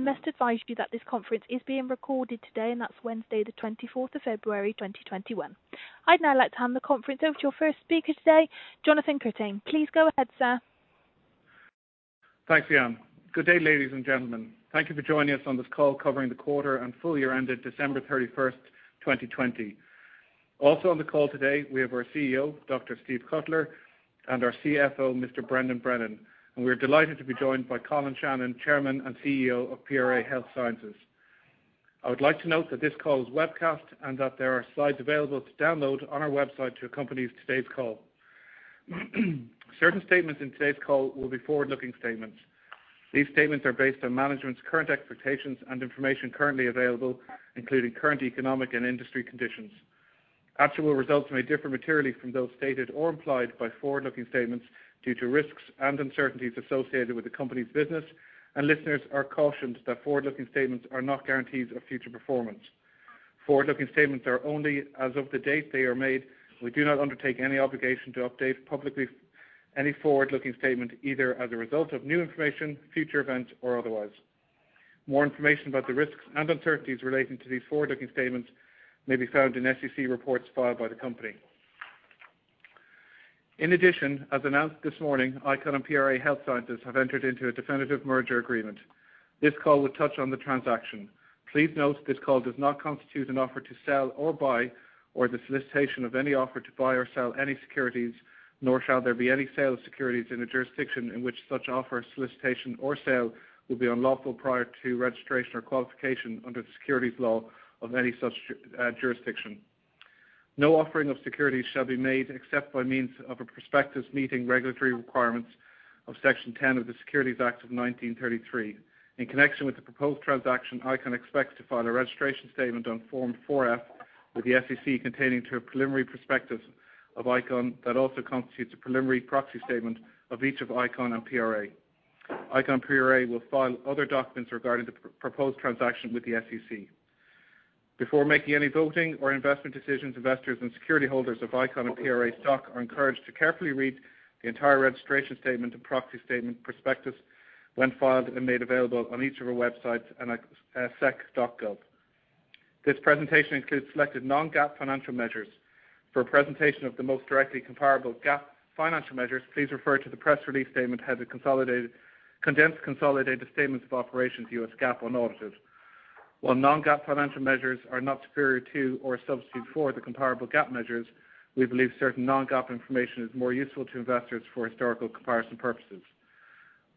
I must advise you that this conference is being recorded today, that's Wednesday February 24th, 2021. I'd now like to hand the conference over to your first speaker today, Jonathan Curtain. Please go ahead, sir. Thanks, Yann. Good day, ladies and gentlemen. Thank you for joining us on this call covering the quarter and full year ended December 31st, 2020. Also on the call today, we have our CEO, Dr. Steve Cutler, and our CFO, Mr. Brendan Brennan. We're delighted to be joined by Colin Shannon, Chairman and CEO of PRA Health Sciences. I would like to note that this call is webcast and that there are slides available to download on our website to accompany today's call. Certain statements in today's call will be forward-looking statements. These statements are based on management's current expectations and information currently available, including current economic and industry conditions. Actual results may differ materially from those stated or implied by forward-looking statements due to risks and uncertainties associated with the company's business, and listeners are cautioned that forward-looking statements are not guarantees of future performance. Forward-looking statements are only as of the date they are made. We do not undertake any obligation to update publicly any forward-looking statement, either as a result of new information, future events, or otherwise. More information about the risks and uncertainties relating to these forward-looking statements may be found in SEC reports filed by the company. In addition, as announced this morning, ICON and PRA Health Sciences have entered into a definitive merger agreement. This call will touch on the transaction. Please note this call does not constitute an offer to sell or buy, or the solicitation of any offer to buy or sell any securities, nor shall there be any sale of securities in a jurisdiction in which such offer, solicitation, or sale will be unlawful prior to registration or qualification under the securities law of any such jurisdiction. No offering of securities shall be made except by means of a prospectus meeting regulatory requirements of Section 10 of the Securities Act of 1933. In connection with the proposed transaction, ICON expects to file a registration statement on Form F-4 with the SEC containing two preliminary prospectuses of ICON that also constitutes a preliminary proxy statement of each of ICON and PRA. ICON and PRA will file other documents regarding the proposed transaction with the SEC. Before making any voting or investment decisions, investors and security holders of ICON and PRA stock are encouraged to carefully read the entire registration statement and proxy statement prospectus when filed and made available on each of our websites and at sec.gov. This presentation includes selected non-GAAP financial measures. For a presentation of the most directly comparable GAAP financial measures, please refer to the press release statement headed Condensed Consolidated Statements of Operations U.S. GAAP Unaudited. While non-GAAP financial measures are not superior to or a substitute for the comparable GAAP measures, we believe certain non-GAAP information is more useful to investors for historical comparison purposes.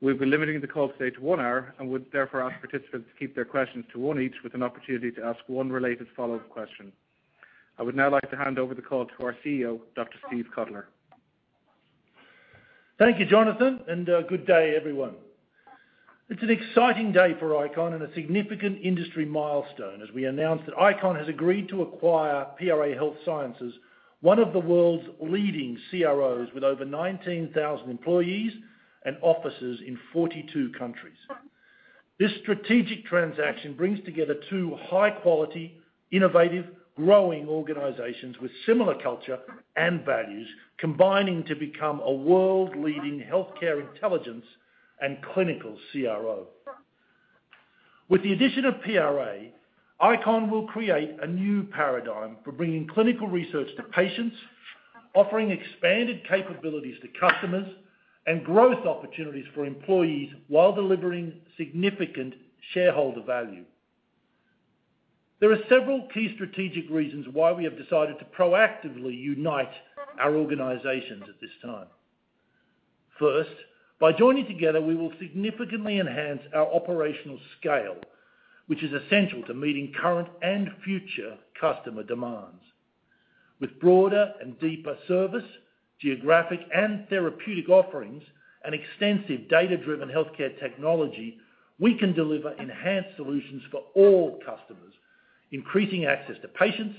We'll be limiting the call today to one hour and would therefore ask participants to keep their questions to one each with an opportunity to ask one related follow-up question. I would now like to hand over the call to our CEO, Dr. Steve Cutler. Thank you, Jonathan, and good day, everyone. It's an exciting day for ICON and a significant industry milestone as we announce that ICON has agreed to acquire PRA Health Sciences, one of the world's leading CROs, with over 19,000 employees and offices in 42 countries. This strategic transaction brings together two high-quality, innovative, growing organizations with similar culture and values, combining to become a world-leading healthcare intelligence and clinical CRO. With the addition of PRA, ICON will create a new paradigm for bringing clinical research to patients, offering expanded capabilities to customers and growth opportunities for employees while delivering significant shareholder value. There are several key strategic reasons why we have decided to proactively unite our organizations at this time. First, by joining together, we will significantly enhance our operational scale, which is essential to meeting current and future customer demands. With broader and deeper service, geographic and therapeutic offerings, and extensive data-driven healthcare technology, we can deliver enhanced solutions for all customers, increasing access to patients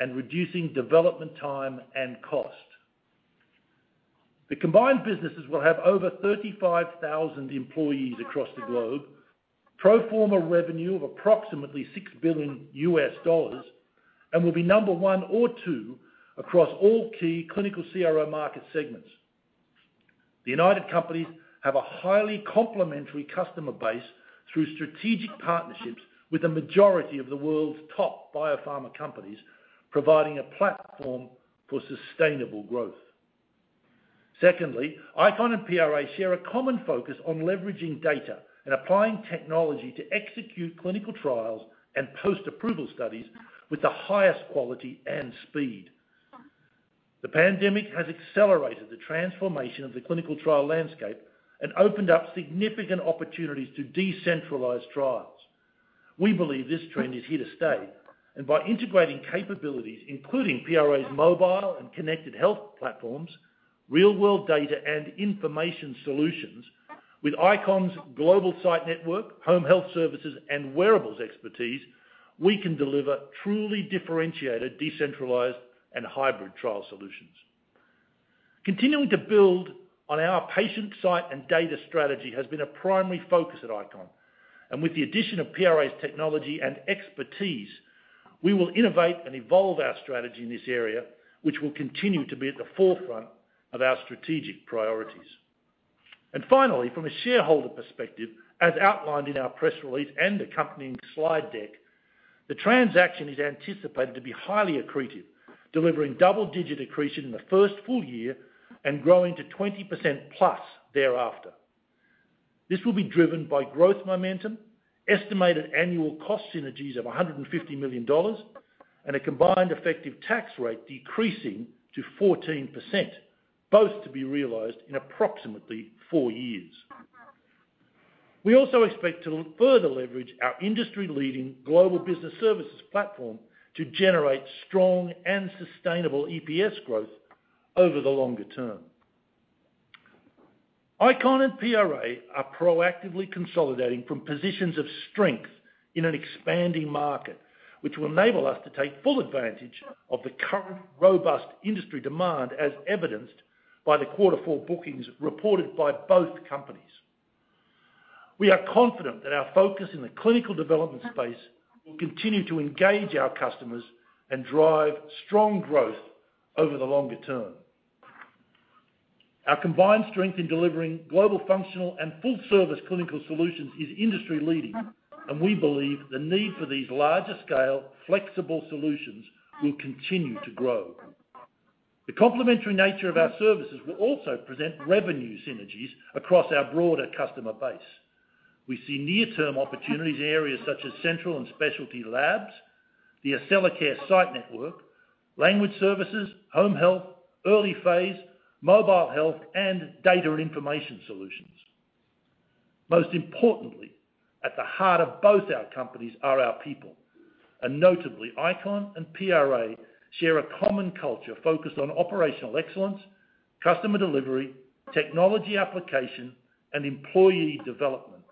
and reducing development time and cost. The combined businesses will have over 35,000 employees across the globe, pro forma revenue of approximately $6 billion, and will be number one or two across all key clinical CRO market segments. The united companies have a highly complementary customer base through strategic partnerships with the majority of the world's top biopharma companies, providing a platform for sustainable growth. Secondly, ICON and PRA share a common focus on leveraging data and applying technology to execute clinical trials and post-approval studies with the highest quality and speed. The pandemic has accelerated the transformation of the clinical trial landscape and opened up significant opportunities to decentralize trials. We believe this trend is here to stay, and by integrating capabilities, including PRA's mobile and connected health platforms, real-world data and information solutions with ICON's global site network, home health services, and wearables expertise, we can deliver truly differentiated, decentralized, and hybrid trial solutions. Continuing to build on our patient site and data strategy has been a primary focus at ICON. With the addition of PRA's technology and expertise, we will innovate and evolve our strategy in this area, which will continue to be at the forefront of our strategic priorities. Finally, from a shareholder perspective, as outlined in our press release and accompanying slide deck, the transaction is anticipated to be highly accretive, delivering double-digit accretion in the first full year and growing to 20%+ thereafter. This will be driven by growth momentum, estimated annual cost synergies of $150 million, and a combined effective tax rate decreasing to 14%, both to be realized in approximately four years. We also expect to further leverage our industry-leading global business services platform to generate strong and sustainable EPS growth over the longer term. ICON and PRA are proactively consolidating from positions of strength in an expanding market, which will enable us to take full advantage of the current robust industry demand, as evidenced by the quarter four bookings reported by both companies. We are confident that our focus in the clinical development space will continue to engage our customers and drive strong growth over the longer term. Our combined strength in delivering global functional and full-service clinical solutions is industry-leading, and we believe the need for these larger-scale, flexible solutions will continue to grow. The complementary nature of our services will also present revenue synergies across our broader customer base. We see near-term opportunities in areas such as central and specialty labs, the Accellacare site network, language services, home health, early phase, mobile health, and data and information solutions. Most importantly, at the heart of both our companies are our people, and notably, ICON and PRA share a common culture focused on operational excellence, customer delivery, technology application, and employee development.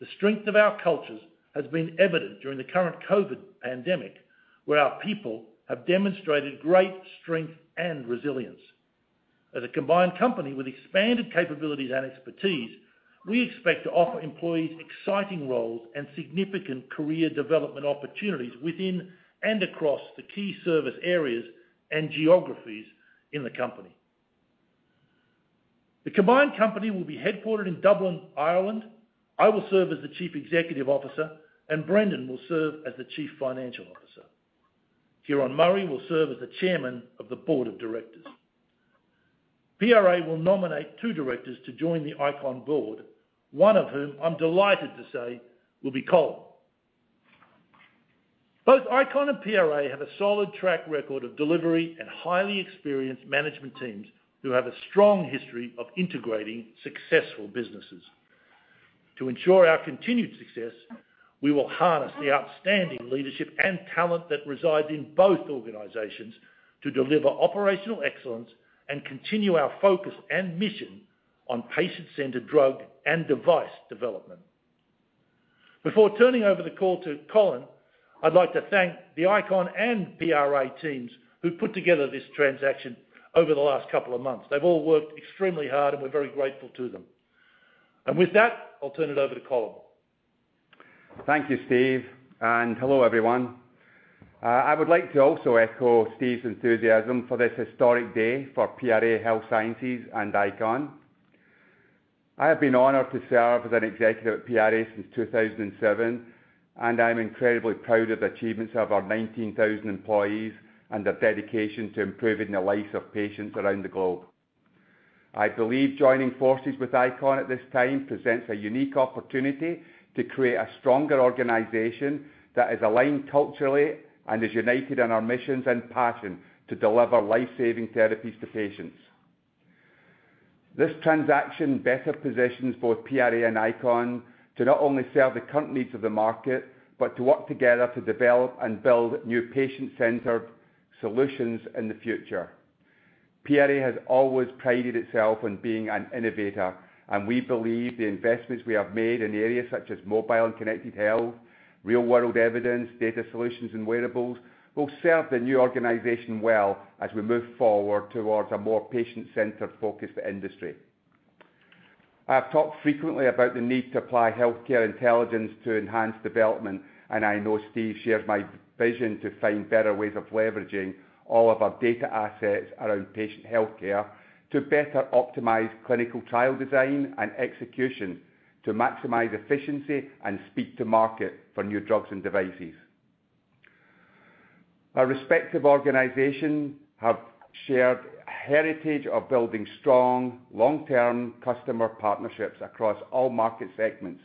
The strength of our cultures has been evident during the current COVID pandemic, where our people have demonstrated great strength and resilience. As a combined company with expanded capabilities and expertise, we expect to offer employees exciting roles and significant career development opportunities within and across the key service areas and geographies in the company. The combined company will be headquartered in Dublin, Ireland. I will serve as the Chief Executive Officer, and Brendan will serve as the Chief Financial Officer. Ciaran Murray will serve as the Chairman of the Board of Directors. PRA will nominate two directors to join the ICON board, one of whom I'm delighted to say will be Colin. Both ICON and PRA have a solid track record of delivery and highly experienced management teams who have a strong history of integrating successful businesses. To ensure our continued success, we will harness the outstanding leadership and talent that resides in both organizations to deliver operational excellence and continue our focus and mission on patient-centered drug and device development. Before turning over the call to Colin, I'd like to thank the ICON and PRA teams who put together this transaction over the last couple of months. They've all worked extremely hard, and we're very grateful to them. With that, I'll turn it over to Colin. Thank you, Steve, and hello, everyone. I would like to also echo Steve's enthusiasm for this historic day for PRA Health Sciences and ICON. I have been honored to serve as an executive at PRA since 2007, and I'm incredibly proud of the achievements of our 19,000 employees and their dedication to improving the lives of patients around the globe. I believe joining forces with ICON at this time presents a unique opportunity to create a stronger organization that is aligned culturally and is united in our missions and passion to deliver life-saving therapies to patients. This transaction better positions both PRA and ICON to not only serve the current needs of the market, but to work together to develop and build new patient-centered solutions in the future. PRA has always prided itself on being an innovator, and we believe the investments we have made in areas such as mobile and connected health, real-world evidence, data solutions, and wearables will serve the new organization well as we move forward towards a more patient-centered focused industry. I have talked frequently about the need to apply healthcare intelligence to enhance development, and I know Steve shares my vision to find better ways of leveraging all of our data assets around patient healthcare to better optimize clinical trial design and execution to maximize efficiency and speed to market for new drugs and devices. Our respective organizations have shared heritage of building strong, long-term customer partnerships across all market segments,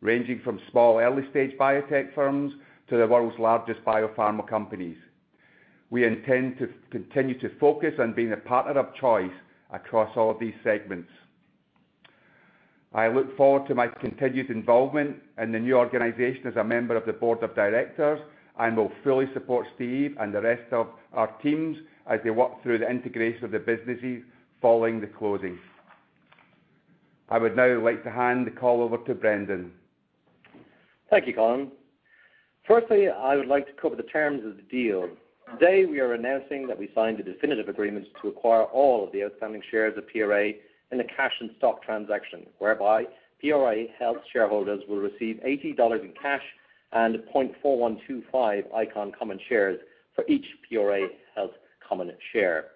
ranging from small, early-stage biotech firms to the world's largest biopharma companies. We intend to continue to focus on being a partner of choice across all of these segments. I look forward to my continued involvement in the new organization as a member of the board of directors and will fully support Steve and the rest of our teams as they work through the integration of the businesses following the closing. I would now like to hand the call over to Brendan. Thank you, Colin. Firstly, I would like to cover the terms of the deal. Today we are announcing that we signed the definitive agreements to acquire all of the outstanding shares of PRA in a cash and stock transaction, whereby PRA Health shareholders will receive $80 in cash and 0.4125 ICON common shares for each PRA Health common share.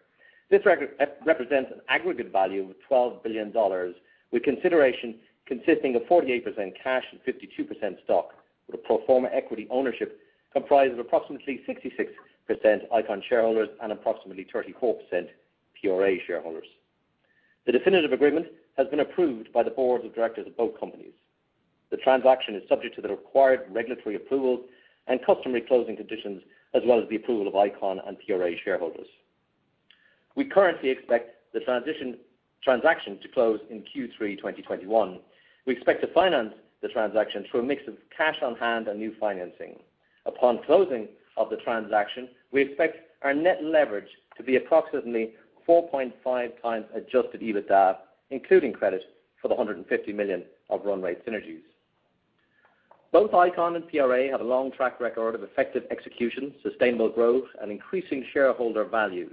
This represents an aggregate value of $12 billion with consideration consisting of 48% cash and 52% stock, with a pro forma equity ownership comprised of approximately 66% ICON shareholders and approximately 34% PRA shareholders. The definitive agreement has been approved by the boards of directors of both companies. The transaction is subject to the required regulatory approvals and customary closing conditions, as well as the approval of ICON and PRA shareholders. We currently expect the transaction to close in Q3 2021. We expect to finance the transaction through a mix of cash on hand and new financing. Upon closing of the transaction, we expect our net leverage to be approximately 4.5x adjusted EBITDA, including credit for the $150 million of run rate synergies. Both ICON and PRA have a long track record of effective execution, sustainable growth, and increasing shareholder value.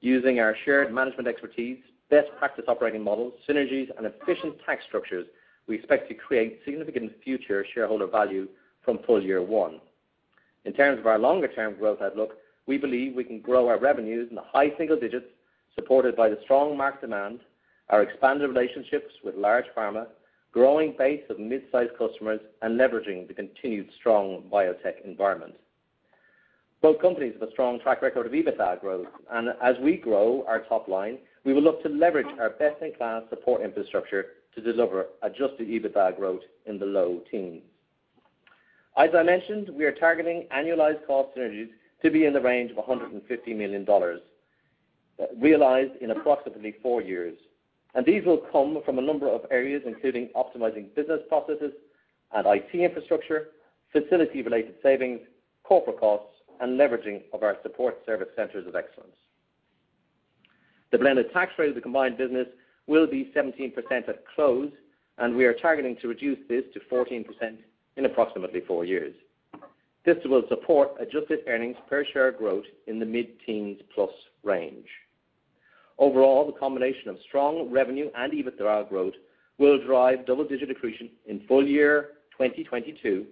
Using our shared management expertise, best practice operating models, synergies, and efficient tax structures, we expect to create significant future shareholder value from full year one. In terms of our longer-term growth outlook, we believe we can grow our revenues in the high single-digits supported by the strong market demand, our expanded relationships with large pharma, growing base of mid-size customers, and leveraging the continued strong biotech environment. Both companies have a strong track record of EBITDA growth, and as we grow our top line, we will look to leverage our best-in-class support infrastructure to deliver adjusted EBITDA growth in the low teens. As I mentioned, we are targeting annualized cost synergies to be in the range of $150 million, realized in approximately four years. These will come from a number of areas, including optimizing business processes and IT infrastructure, facility-related savings, corporate costs, and leveraging of our support service centers of excellence. The blended tax rate of the combined business will be 17% at close, and we are targeting to reduce this to 14% in approximately four years. This will support adjusted earnings per share growth in the mid-teens plus range. Overall, the combination of strong revenue and EBITDA growth will drive double-digit accretion in full year 2022,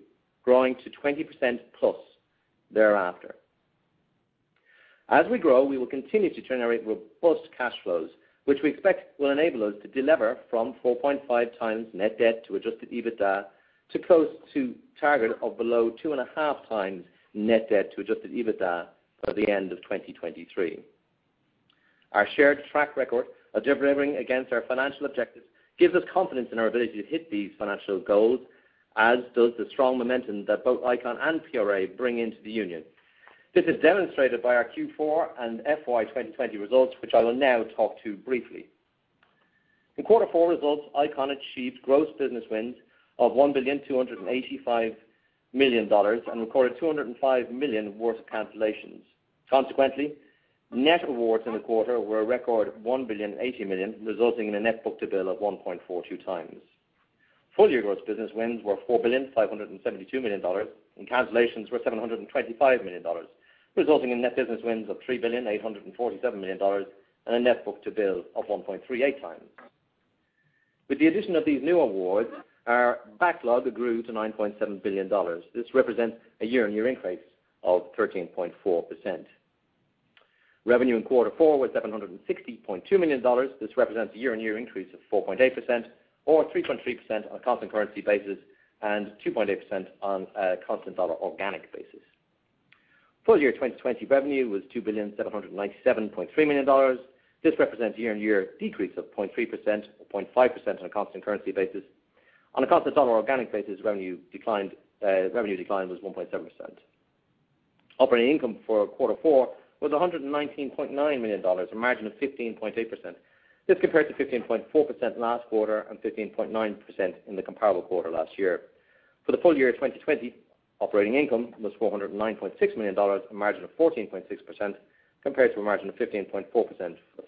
growing to 20%+ thereafter. As we grow, we will continue to generate robust cash flows, which we expect will enable us to deliver from 4.5x net debt to adjusted EBITDA to close to target of below 2.5x net debt to adjusted EBITDA for the end of 2023. Our shared track record of delivering against our financial objectives gives us confidence in our ability to hit these financial goals, as does the strong momentum that both ICON and PRA bring into the union. This is demonstrated by our Q4 and FY 2020 results, which I will now talk to briefly. In quarter four results, ICON achieved gross business wins of $1.285 billion and recorded $205 million worth of cancellations. Consequently, net awards in the quarter were a record $1.080 billion, resulting in a net book-to-bill of 1.42x. Full year gross business wins were $4.572 billion and cancellations were $725 million, resulting in net business wins of $3.847 billion and a net book-to-bill of 1.38x. With the addition of these new awards, our backlog grew to $9.7 billion. This represents a year-on-year increase of 13.4%. Revenue in quarter four was $760.2 million. This represents a year-on-year increase of 4.8%, or 3.3% on a constant currency basis and 2.8% on a constant dollar organic basis. Full year 2020 revenue was $2,797.3 million. This represents a year-on-year decrease of 0.3%, or 0.5% on a constant currency basis. On a constant dollar organic basis, revenue decline was 1.7%. Operating income for quarter four was $119.9 million, a margin of 15.8%. This compared to 15.4% last quarter and 15.9% in the comparable quarter last year. For the full year 2020, operating income was $409.6 million, a margin of 14.6%, compared to a margin of 15.4% for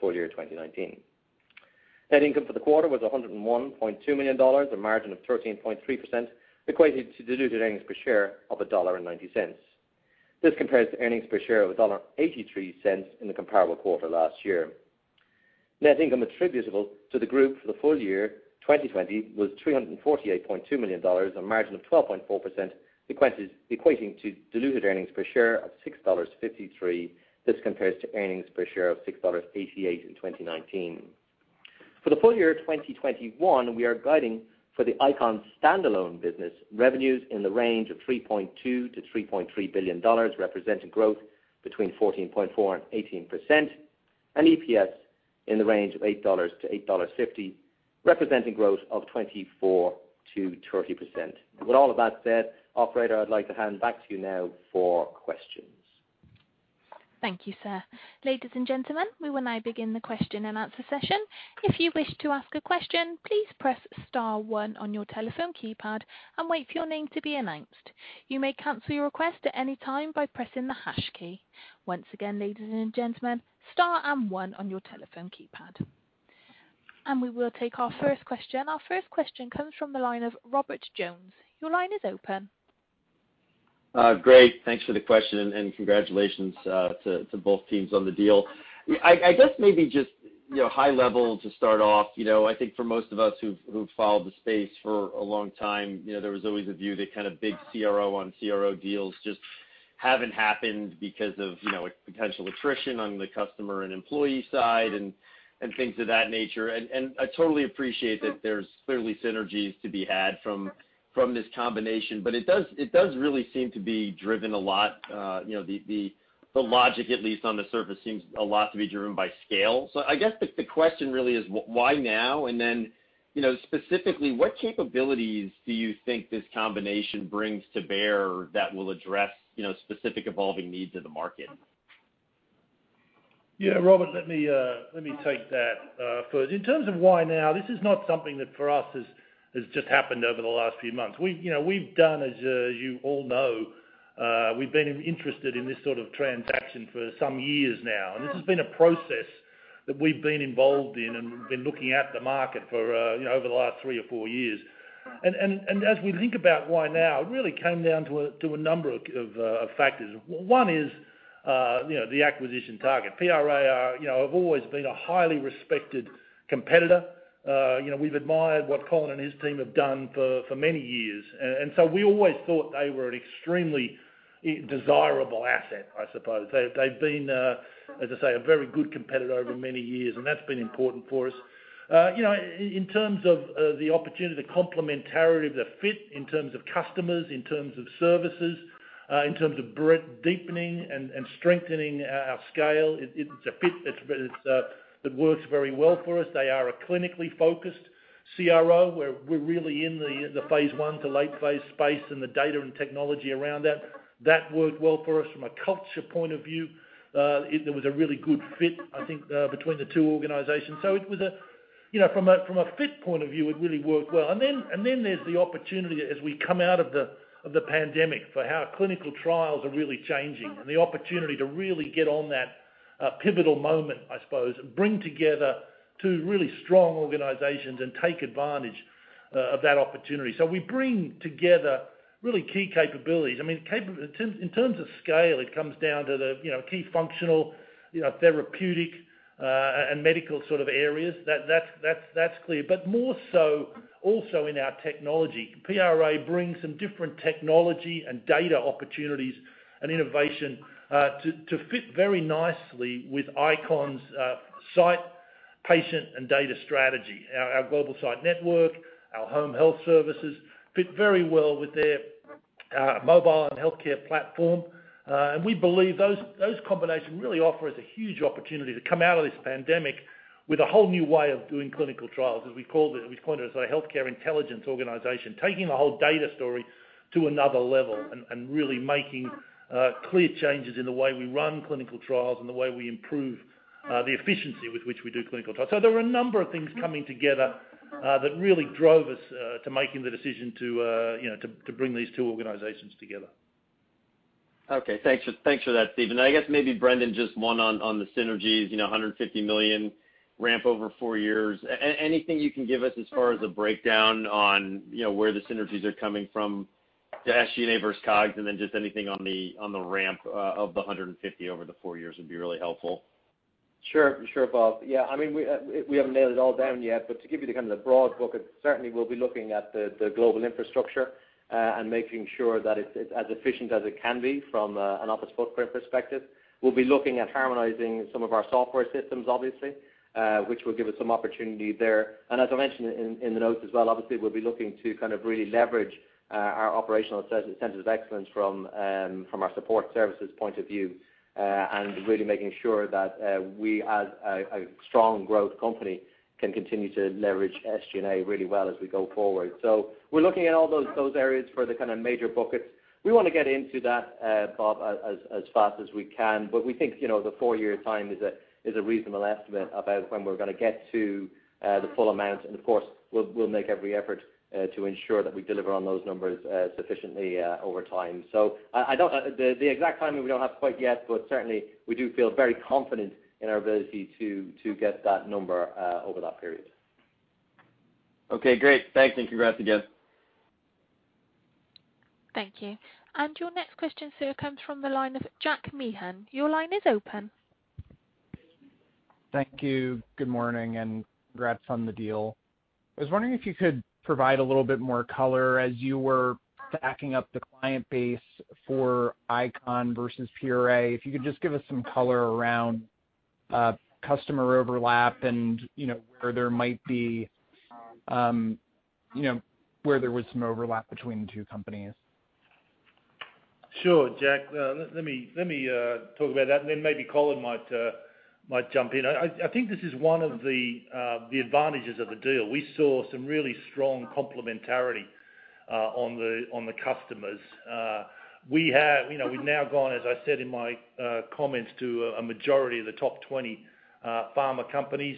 full year 2019. Net income for the quarter was $101.2 million, a margin of 13.3%, equating to diluted earnings per share of $1.90. This compares to earnings per share of $1.83 in the comparable quarter last year. Net income attributable to the group for the full year 2020 was $348.2 million, a margin of 12.4%, equating to diluted earnings per share of $6.53. This compares to earnings per share of $6.88 in 2019. For the full year 2021, we are guiding for the ICON standalone business revenues in the range of $3.2 billion-$3.3 billion, representing growth between 14.4%-18%, and EPS in the range of $8-$8.50, representing growth of 24%-30%. With all of that said, operator, I'd like to hand back to you now for questions. Thank you, sir. Ladies and gentlemen, we will now begin the question and answer session. If you wish to ask a question, please press star one on your telephone keypad and wait for your name to be announced. You may cancel your request at any time by pressing the hash key. Once again, ladies and gentlemen, star and one on your telephone keypad. We will take our first question. Our first question comes from the line of Robert Jones. Your line is open. Great. Thanks for the question, and congratulations to both teams on the deal. I guess maybe just high level to start off. I think for most of us who've followed the space for a long time, there was always a view that kind of big CRO on CRO deals just haven't happened because of potential attrition on the customer and employee side and things of that nature. I totally appreciate that there's clearly synergies to be had from this combination, but it does really seem to be driven a lot. The logic, at least on the surface, seems a lot to be driven by scale. I guess the question really is why now? Specifically, what capabilities do you think this combination brings to bear that will address specific evolving needs of the market? Yeah, Robert, let me take that first. In terms of why now, this is not something that for us has just happened over the last few months. As you all know, we've been interested in this sort of transaction for some years now. This has been a process that we've been involved in and been looking at the market for over the last three or four years. As we think about why now, it really came down to a number of factors. One is the acquisition target. PRA have always been a highly respected competitor. We've admired what Colin and his team have done for many years. We always thought they were an extremely desirable asset, I suppose. They've been, as I say, a very good competitor over many years, and that's been important for us. In terms of the opportunity, the complementarity of the fit in terms of customers, in terms of services, in terms of breadth deepening and strengthening our scale, it's a fit that works very well for us. They are a clinically focused CRO. We're really in the phase I to late-phase space and the data and technology around that. That worked well for us from a culture point of view. There was a really good fit, I think, between the two organizations. From a fit point of view, it really worked well. There's the opportunity as we come out of the pandemic for how clinical trials are really changing and the opportunity to really get on that pivotal moment, I suppose, and bring together two really strong organizations and take advantage of that opportunity. We bring together really key capabilities. In terms of scale, it comes down to the key functional therapeutic and medical sort of areas. That's clear. More so also in our technology. PRA brings some different technology and data opportunities and innovation to fit very nicely with ICON's site patient and data strategy. Our global site network, our home health services fit very well with their mobile and healthcare platform. We believe those combination really offer us a huge opportunity to come out of this pandemic with a whole new way of doing clinical trials. As we've coined it, as a healthcare intelligence organization, taking the whole data story to another level and really making clear changes in the way we run clinical trials and the way we improve the efficiency with which we do clinical trials. There were a number of things coming together that really drove us to making the decision to bring these two organizations together. Okay, thanks for that, Steve. I guess maybe Brendan, just one on the synergies, $150 million ramp over four years. Anything you can give us as far as a breakdown on where the synergies are coming from to SG&A versus COGS, then just anything on the ramp of the 150 over the four years would be really helpful. Sure, Bob. Yeah, we haven't nailed it all down yet, but to give you the kind of the broad bucket, certainly we'll be looking at the global infrastructure and making sure that it's as efficient as it can be from an office footprint perspective. We'll be looking at harmonizing some of our software systems, obviously, which will give us some opportunity there. As I mentioned in the notes as well, obviously, we'll be looking to kind of really leverage our operational centers of excellence from our support services point of view and really making sure that we, as a strong growth company, can continue to leverage SG&A really well as we go forward. We're looking at all those areas for the kind of major buckets. We want to get into that, Bob, as fast as we can. We think the four-year time is a reasonable estimate about when we're going to get to the full amount. Of course, we'll make every effort to ensure that we deliver on those numbers sufficiently over time. The exact timing we don't have quite yet, but certainly we do feel very confident in our ability to get that number over that period. Okay, great. Thanks, and congrats again. Thank you. Your next question, sir, comes from the line of Jack Meehan. Your line is open. Thank you. Good morning and congrats on the deal. I was wondering if you could provide a little bit more color as you were backing up the client base for ICON versus PRA? If you could just give us some color around customer overlap and where there was some overlap between the two companies? Jack, let me talk about that, and then maybe Colin might jump in. I think this is one of the advantages of the deal. We saw some really strong complementarity on the customers. We've now gone, as I said in my comments, to a majority of the top 20 pharma companies.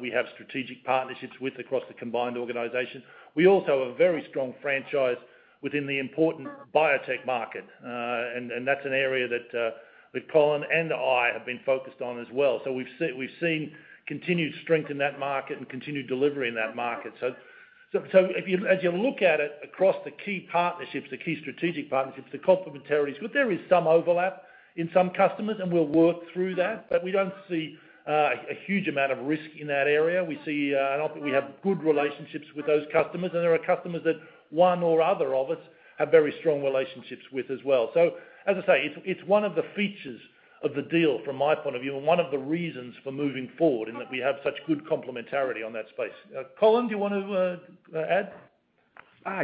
We have strategic partnerships with, across the combined organization. We also have a very strong franchise within the important biotech market, and that's an area that Colin and I have been focused on as well. We've seen continued strength in that market and continued delivery in that market. As you look at it across the key partnerships, the key strategic partnerships, the complementarities, there is some overlap in some customers, and we'll work through that. We don't see a huge amount of risk in that area. We have good relationships with those customers, and there are customers that one or other of us have very strong relationships with as well. As I say, it's one of the features of the deal from my point of view, and one of the reasons for moving forward, in that we have such good complementarity on that space. Colin, do you want to add?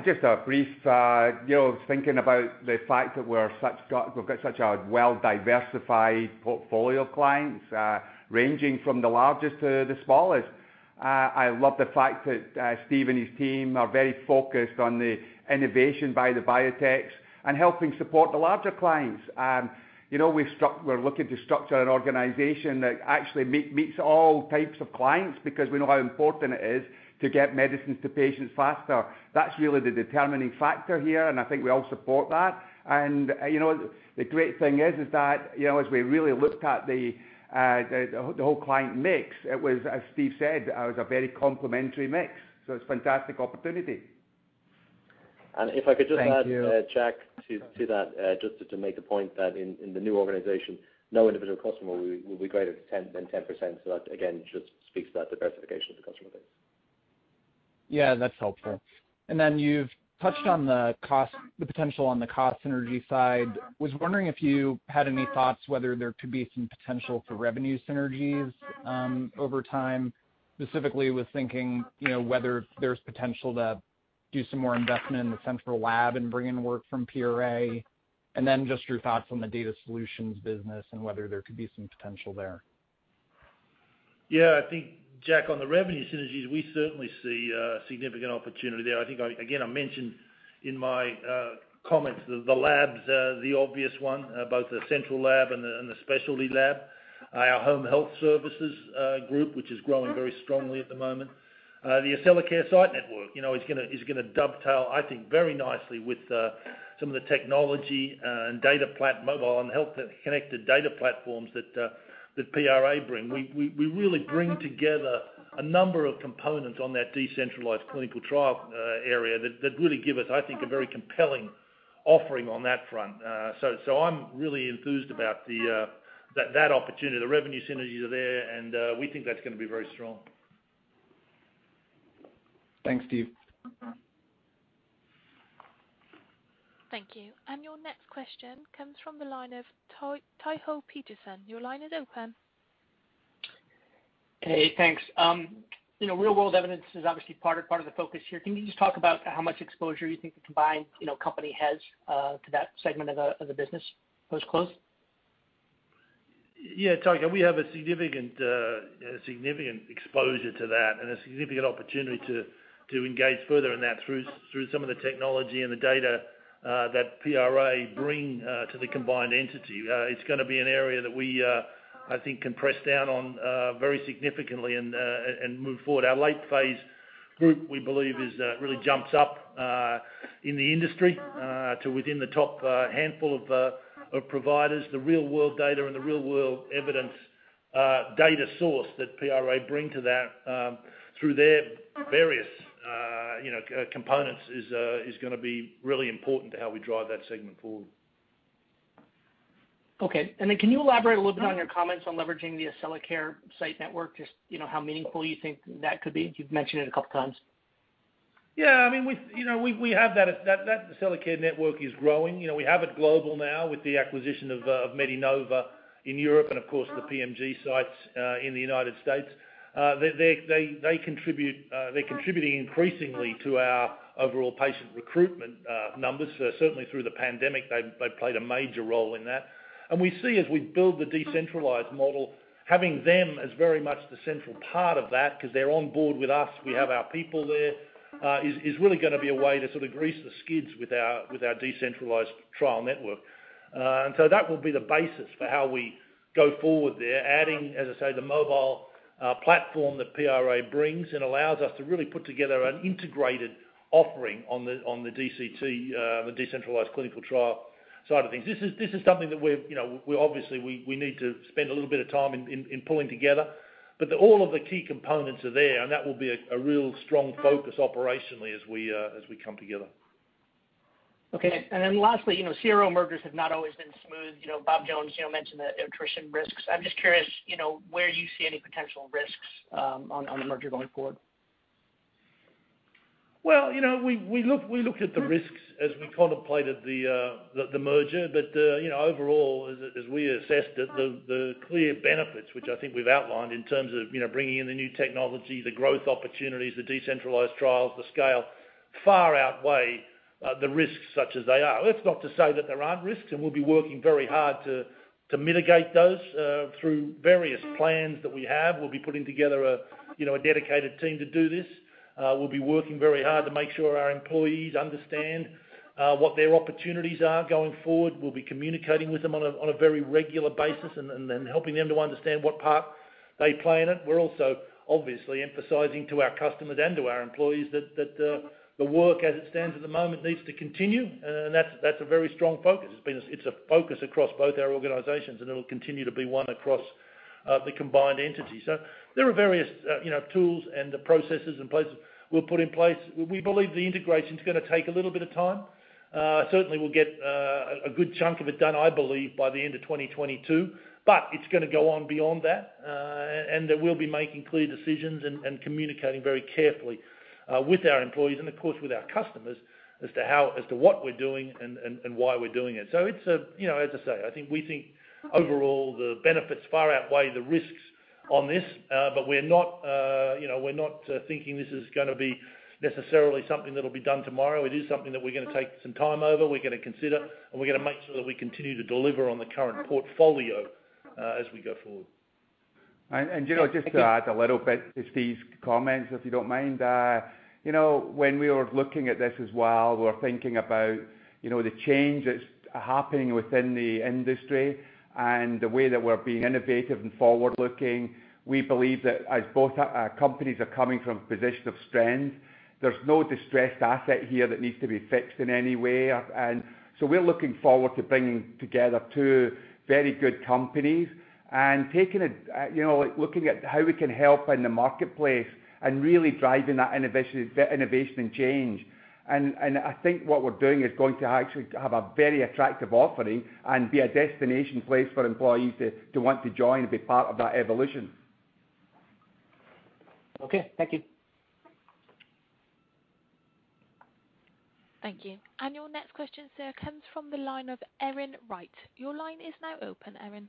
Just a brief. Thinking about the fact that we've got such a well-diversified portfolio of clients, ranging from the largest to the smallest. I love the fact that Steve and his team are very focused on the innovation by the biotechs and helping support the larger clients. We're looking to structure an organization that actually meets all types of clients because we know how important it is to get medicines to patients faster. That's really the determining factor here, and I think we all support that. The great thing is that, as we really looked at the whole client mix, it was, as Steve said, it was a very complementary mix. It's a fantastic opportunity. And if I could just add- Thank you. Jack, to that, just to make a point that in the new organization, no individual customer will be greater than 10%. That, again, just speaks to that diversification of the customer base. Yeah, that's helpful. You've touched on the potential on the cost synergy side. I was wondering if you had any thoughts whether there could be some potential for revenue synergies over time? Specifically, I was thinking whether there's potential to do some more investment in the central lab and bring in work from PRA, and then just your thoughts on the data solutions business and whether there could be some potential there? Yeah, I think, Jack, on the revenue synergies, we certainly see significant opportunity there. I think, again, I mentioned in my comments that the labs are the obvious one, both the central lab and the specialty lab. Our home health services group, which is growing very strongly at the moment. The Accellacare site network is going to dovetail, I think, very nicely with some of the technology and mobile and health connected data platforms that PRA bring. We really bring together a number of components on that decentralized clinical trial area that really give us, I think, a very compelling offering on that front. I'm really enthused about that opportunity. The revenue synergies are there, and we think that's going to be very strong. Thanks, Steve. Thank you. Your next question comes from the line of Tycho Peterson. Your line is open. Hey, thanks. Real-world evidence is obviously part of the focus here. Can you just talk about how much exposure you think the combined company has to that segment of the business post-close? Yeah, Tycho, we have a significant exposure to that and a significant opportunity to engage further in that through some of the technology and the data that PRA bring to the combined entity. It's going to be an area that we, I think, can press down on very significantly and move forward. Our late phase group, we believe, really jumps up in the industry to within the top handful of providers. The real-world data and the real-world evidence data source that PRA bring to that through their various components is going to be really important to how we drive that segment forward. Okay. Can you elaborate a little bit on your comments on leveraging the Accellacare site network? Just how meaningful you think that could be. You've mentioned it a couple of times. Yeah. That Accellacare network is growing. We have it global now with the acquisition of MeDiNova in Europe and, of course, the PMG sites in the United States. They're contributing increasingly to our overall patient recruitment numbers. Certainly, through the pandemic, they played a major role in that. We see, as we build the decentralized model, having them as very much the central part of that because they're on board with us, we have our people there, is really going to be a way to sort of grease the skids with our decentralized trial network. That will be the basis for how we go forward there, adding, as I say, the mobile platform that PRA brings and allows us to really put together an integrated offering on the DCT, the decentralized clinical trial side of things. This is something that, obviously, we need to spend a little bit of time in pulling together. All of the key components are there, and that will be a real strong focus operationally as we come together. Okay. Lastly, CRO mergers have not always been smooth. Bob Jones mentioned the attrition risks. I'm just curious where you see any potential risks on the merger going forward? Well, we looked at the risks as we contemplated the merger. Overall, as we assessed the clear benefits, which I think we've outlined in terms of bringing in the new technology, the growth opportunities, the decentralized trials, the scale far outweigh the risks such as they are. That's not to say that there aren't risks, and we'll be working very hard to mitigate those through various plans that we have. We'll be putting together a dedicated team to do this. We'll be working very hard to make sure our employees understand what their opportunities are going forward. We'll be communicating with them on a very regular basis and then helping them to understand what part they play in it. We're also, obviously, emphasizing to our customers and to our employees that the work as it stands at the moment needs to continue. That's a very strong focus. It's a focus across both our organizations, and it'll continue to be one across the combined entity. There are various tools and the processes and places we'll put in place. We believe the integration's going to take a little bit of time. Certainly, we'll get a good chunk of it done, I believe, by the end of 2022. It's going to go on beyond that, and we'll be making clear decisions and communicating very carefully, with our employees and of course with our customers, as to what we're doing and why we're doing it. As I say, I think we think overall the benefits far outweigh the risks on this. We're not thinking this is going to be necessarily something that'll be done tomorrow. It is something that we're going to take some time over, we're going to consider, and we're going to make sure that we continue to deliver on the current portfolio as we go forward. Just to add a little bit to Steve's comments, if you don't mind. When we were looking at this as well, we were thinking about the change that's happening within the industry and the way that we're being innovative and forward-looking. We believe that as both our companies are coming from a position of strength, there's no distressed asset here that needs to be fixed in any way. We're looking forward to bringing together two very good companies and looking at how we can help in the marketplace and really driving that innovation and change. I think what we're doing is going to actually have a very attractive offering and be a destination place for employees to want to join and be part of that evolution. Okay. Thank you. Thank you. Your next question, sir, comes from the line of Erin Wright. Your line is now open, Erin.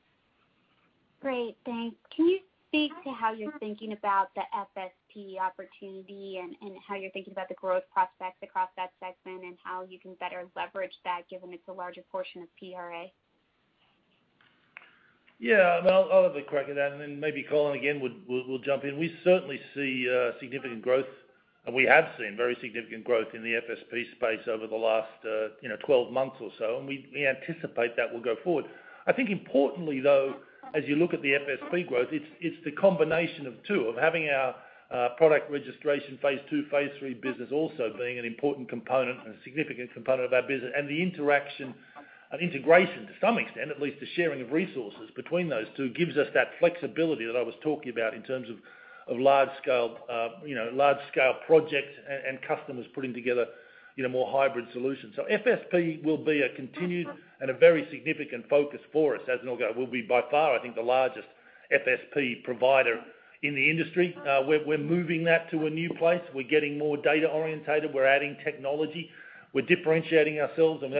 Great. Thanks. Can you speak to how you're thinking about the FSP opportunity and how you're thinking about the growth prospects across that segment, and how you can better leverage that, given it's a larger portion of PRA? Yeah. Well, I'll have a crack at that, and then maybe Colin again will jump in. We certainly see significant growth, and we have seen very significant growth in the FSP space over the last 12 months or so, and we anticipate that will go forward. I think importantly, though, as you look at the FSP growth, it's the combination of two. Of having our product registration phase II, phase III business also being an important component and a significant component of our business, and the interaction and integration, to some extent, at least the sharing of resources between those two gives us that flexibility that I was talking about in terms of large-scale projects and customers putting together more hybrid solutions. FSP will be a continued and a very significant focus for us as we'll be by far, I think, the largest FSP provider in the industry. We're moving that to a new place. We're getting more data orientated. We're adding technology. We're differentiating ourselves in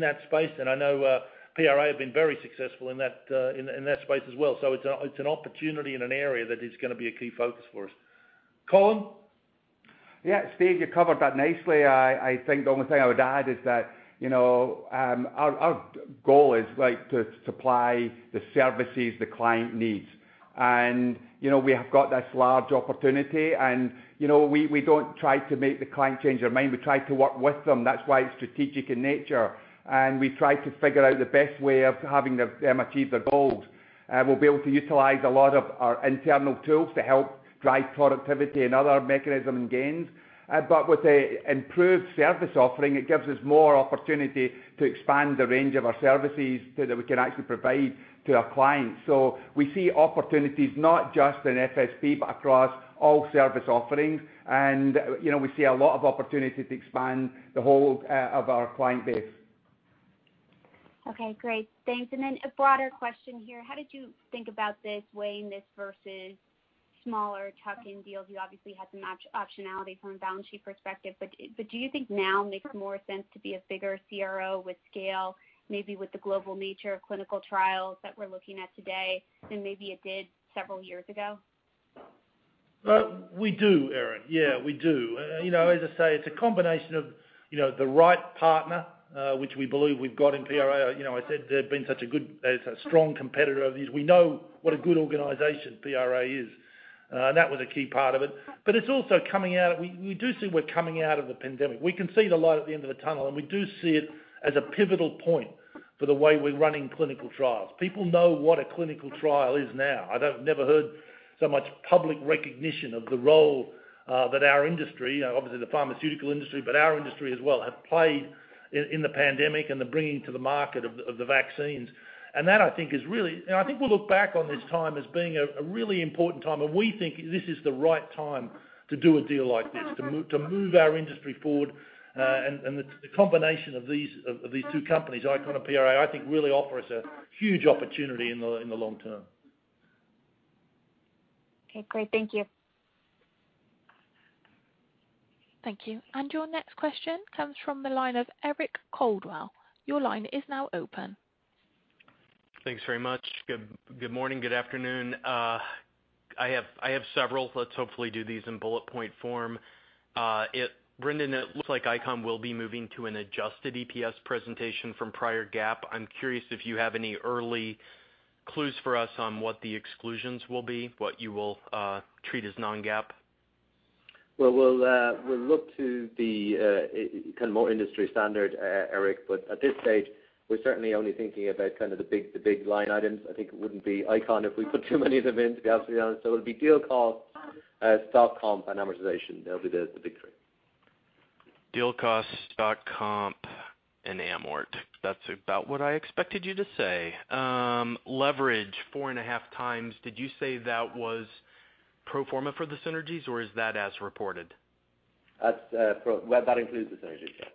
that space. I know PRA have been very successful in that space as well. It's an opportunity in an area that is going to be a key focus for us. Colin? Yeah. Steve, you covered that nicely. I think the only thing I would add is that our goal is to supply the services the client needs. We have got this large opportunity, we don't try to make the client change their mind. We try to work with them. That's why it's strategic in nature. We try to figure out the best way of having them achieve their goals. We'll be able to utilize a lot of our internal tools to help drive productivity and other mechanism gains. With the improved service offering, it gives us more opportunity to expand the range of our services that we can actually provide to our clients. We see opportunities not just in FSP, but across all service offerings. We see a lot of opportunity to expand the whole of our client base. Okay, great. Thanks. A broader question here. How did you think about this, weighing this versus smaller tuck-in deals? You obviously had some optionality from a balance sheet perspective, but do you think now makes more sense to be a bigger CRO with scale, maybe with the global nature of clinical trials that we're looking at today, than maybe it did several years ago? We do, Erin. Yeah, we do. As I say, it's a combination of the right partner, which we believe we've got in PRA. I said they've been such a good, strong competitor of these. We know what a good organization PRA is. That was a key part of it. It's also, we do see we're coming out of the pandemic. We can see the light at the end of the tunnel, and we do see it as a pivotal point for the way we're running clinical trials. People know what a clinical trial is now. I've never heard so much public recognition of the role that our industry, obviously the pharmaceutical industry, but our industry as well, have played in the pandemic and the bringing to the market of the vaccines. I think we'll look back on this time as being a really important time. We think this is the right time to do a deal like this, to move our industry forward. The combination of these two companies, ICON and PRA, I think really offer us a huge opportunity in the long term. Okay, great. Thank you. Thank you. Your next question comes from the line of Eric Coldwell. Your line is now open. Thanks very much. Good morning, good afternoon. I have several. Let's hopefully do these in bullet point form. Brendan, it looks like ICON will be moving to an adjusted EPS presentation from prior GAAP. I'm curious if you have any early clues for us on what the exclusions will be, what you will treat as non-GAAP? Well, we'll look to the more industry standard, Eric, but at this stage, we're certainly only thinking about the big line items. I think it wouldn't be ICON if we put too many of them in, to be absolutely honest. It'll be deal costs, stock comp, and amortization. They'll be the big three. Deal cost, stock comp, and amort. That's about what I expected you to say. Leverage 4.5x. Did you say that was pro forma for the synergies, or is that as reported? That includes the synergies, yeah.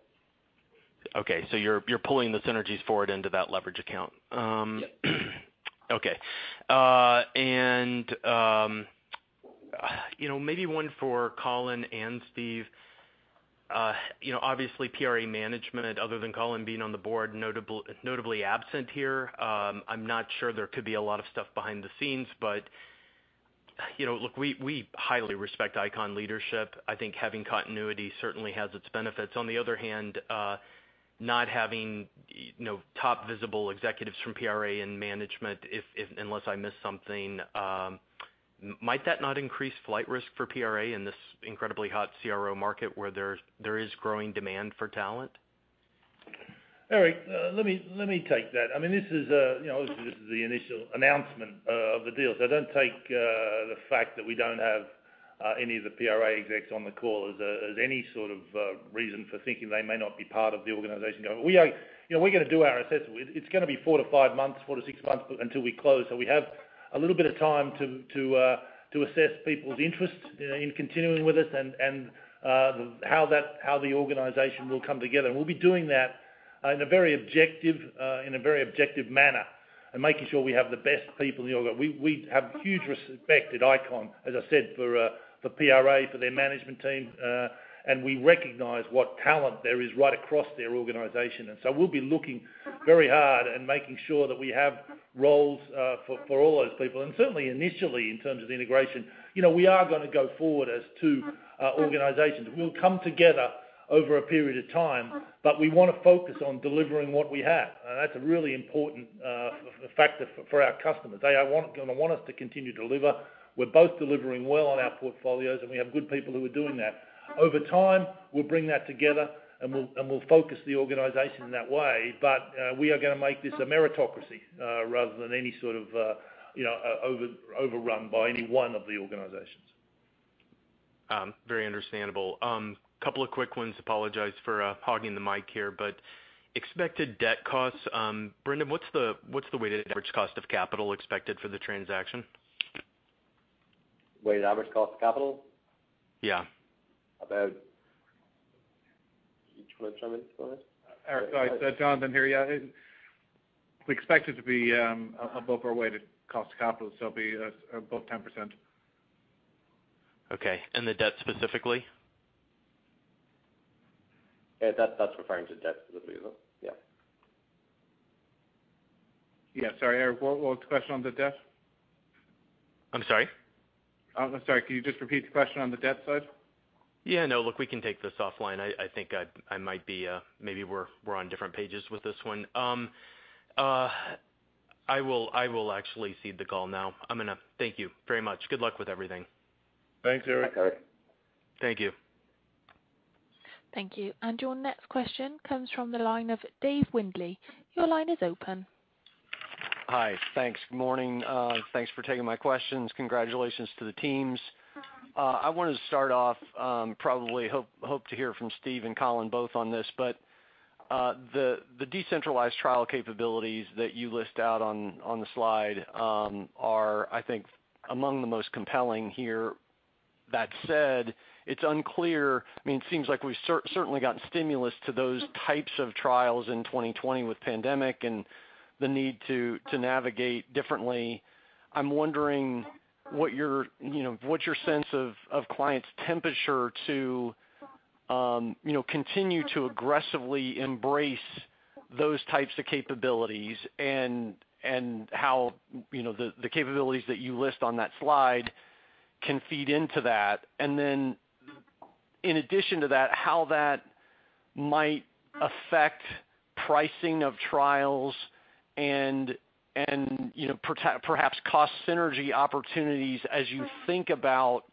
Okay, you're pulling the synergies forward into that leverage account. Yep. Okay. Maybe one for Colin and Steve. Obviously, PRA management, other than Colin being on the board, notably absent here. I'm not sure there could be a lot of stuff behind the scenes, look, we highly respect ICON leadership. I think having continuity certainly has its benefits. On the other hand, not having top visible executives from PRA in management, unless I missed something, might that not increase flight risk for PRA in this incredibly hot CRO market where there is growing demand for talent? Eric, let me take that. Obviously, this is the initial announcement of the deal, so don't take the fact that we don't have any of the PRA execs on the call as any sort of reason for thinking they may not be part of the organization going forward. We're going to do our assessment. It's going to be four to six months until we close, so we have a little bit of time to assess people's interest in continuing with us and how the organization will come together. And we'll be doing that in a very objective manner and making sure we have the best people in the org. We have huge respect at ICON, as I said, for PRA, for their management team. And we recognize what talent there is right across their organization. We'll be looking very hard and making sure that we have roles for all those people. Certainly initially, in terms of integration, we are going to go forward as two organizations. We'll come together over a period of time, but we want to focus on delivering what we have. That's a really important factor for our customers. They are going to want us to continue to deliver. We're both delivering well on our portfolios, and we have good people who are doing that. Over time, we'll bring that together and we'll focus the organization that way, but we are going to make this a meritocracy rather than any sort of overrun by any one of the organizations. Very understandable. Couple of quick ones. Apologize for hogging the mic here, but expected debt costs, Brendan, what's the weighted average cost of capital expected for the transaction? Weighted average cost of capital? Yeah. Do you want to chime in, Jonathan? Eric, sorry. It's Jonathan here. Yeah. We expect it to be above our weighted cost of capital, so it'll be above 10%. Okay, the debt specifically? Yeah, that's referring to debt specifically, though. Yeah. Yeah. Sorry, Eric, what was the question on the debt? I'm sorry? I'm sorry, can you just repeat the question on the debt side? Yeah, no. Look, we can take this offline. I think maybe we're on different pages with this one. I will actually cede the call now. I'm going to thank you very much. Good luck with everything. Thanks, Eric. Thanks, Eric. Thank you. Thank you. Your next question comes from the line of Dave Windley. Your line is open. Hi. Thanks. Good morning. Thanks for taking my questions. Congratulations to the teams. I wanted to start off, probably hope to hear from Steve and Colin both on this, but the decentralized trial capabilities that you list out on the slide are, I think, among the most compelling here. That said, it's unclear I mean, it seems like we've certainly gotten stimulus to those types of trials in 2020 with pandemic and the need to navigate differently. I'm wondering what's your sense of clients' temperature to continue to aggressively embrace those types of capabilities and how the capabilities that you list on that slide can feed into that. Then in addition to that, how that might affect pricing of trials and perhaps cost synergy opportunities as you think about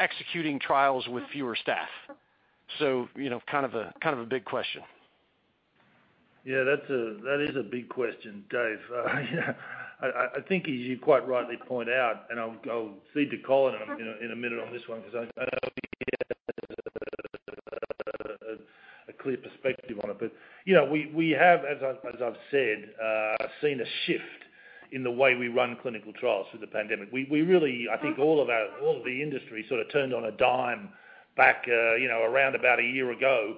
executing trials with fewer staff. Kind of a big question. Yeah, that is a big question, Dave. I think as you quite rightly point out, and I'll cede to Colin in a minute on this one because I know he has a clear perspective on it, but we have, as I've said, seen a shift in the way we run clinical trials through the pandemic. We really, I think, all of the industry sort of turned on a dime back around about a year ago,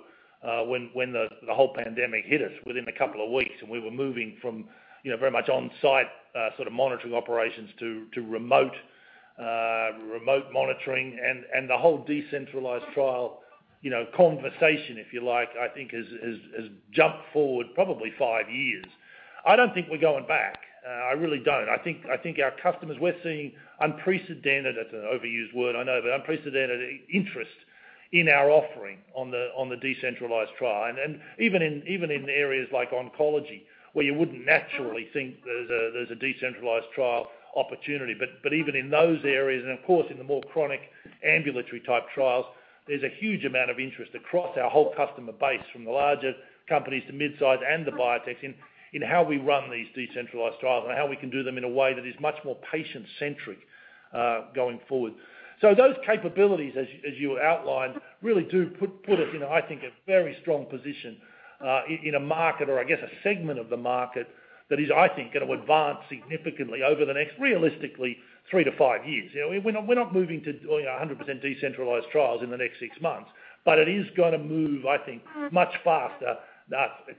when the whole pandemic hit us within a couple of weeks, and we were moving from very much on-site sort of monitoring operations to remote monitoring and the whole decentralized trial conversation, if you like, I think has jumped forward probably five years. I don't think we're going back. I really don't. I think our customers, we're seeing unprecedented, that's an overused word, I know, but unprecedented interest in our offering on the decentralized trial. Even in areas like oncology, where you wouldn't naturally think there's a decentralized trial opportunity. Even in those areas and of course, in the more chronic ambulatory type trials, there's a huge amount of interest across our whole customer base, from the larger companies to mid-size and the biotechs, in how we run these decentralized trials and how we can do them in a way that is much more patient-centric, going forward. Those capabilities, as you outlined, really do put us in, I think, a very strong position, in a market, or I guess a segment of the market that is, I think, going to advance significantly over the next, realistically, three to five years. We're not moving to 100% decentralized trials in the next six months, but it is going to move, I think, much faster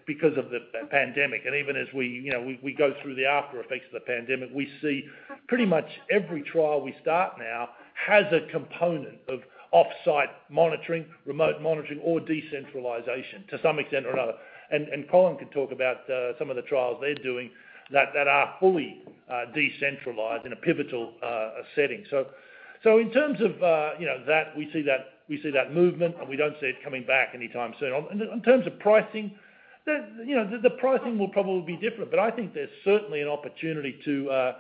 because of the pandemic. Even as we go through the after effects of the pandemic, we see pretty much every trial we start now has a component of offsite monitoring, remote monitoring, or decentralization to some extent or another. Colin can talk about some of the trials they're doing that are fully decentralized in a pivotal setting. In terms of that, we see that movement, and we don't see it coming back anytime soon. In terms of pricing, the pricing will probably be different, but I think there's certainly an opportunity to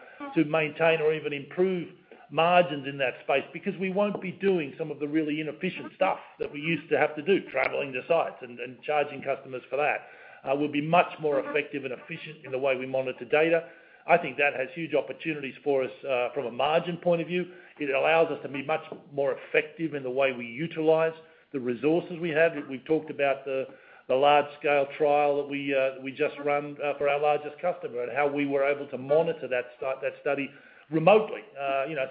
maintain or even improve margins in that space because we won't be doing some of the really inefficient stuff that we used to have to do, traveling to sites and charging customers for that. We'll be much more effective and efficient in the way we monitor data. I think that has huge opportunities for us from a margin point of view. It allows us to be much more effective in the way we utilize the resources we have. We've talked about the large-scale trial that we just ran for our largest customer and how we were able to monitor that study remotely.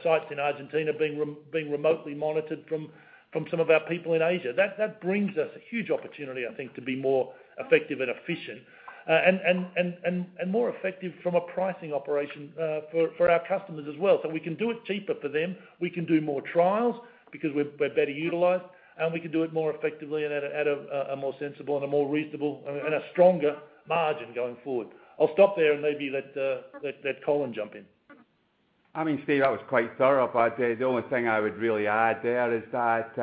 Sites in Argentina being remotely monitored from some of our people in Asia. That brings us a huge opportunity, I think, to be more effective and efficient and more effective from a pricing operation for our customers as well. We can do it cheaper for them, we can do more trials because we're better utilized, and we can do it more effectively and at a more sensible and a more reasonable and a stronger margin going forward. I'll stop there and maybe let Colin jump in. Steve, that was quite thorough, I'd say. The only thing I would really add there is that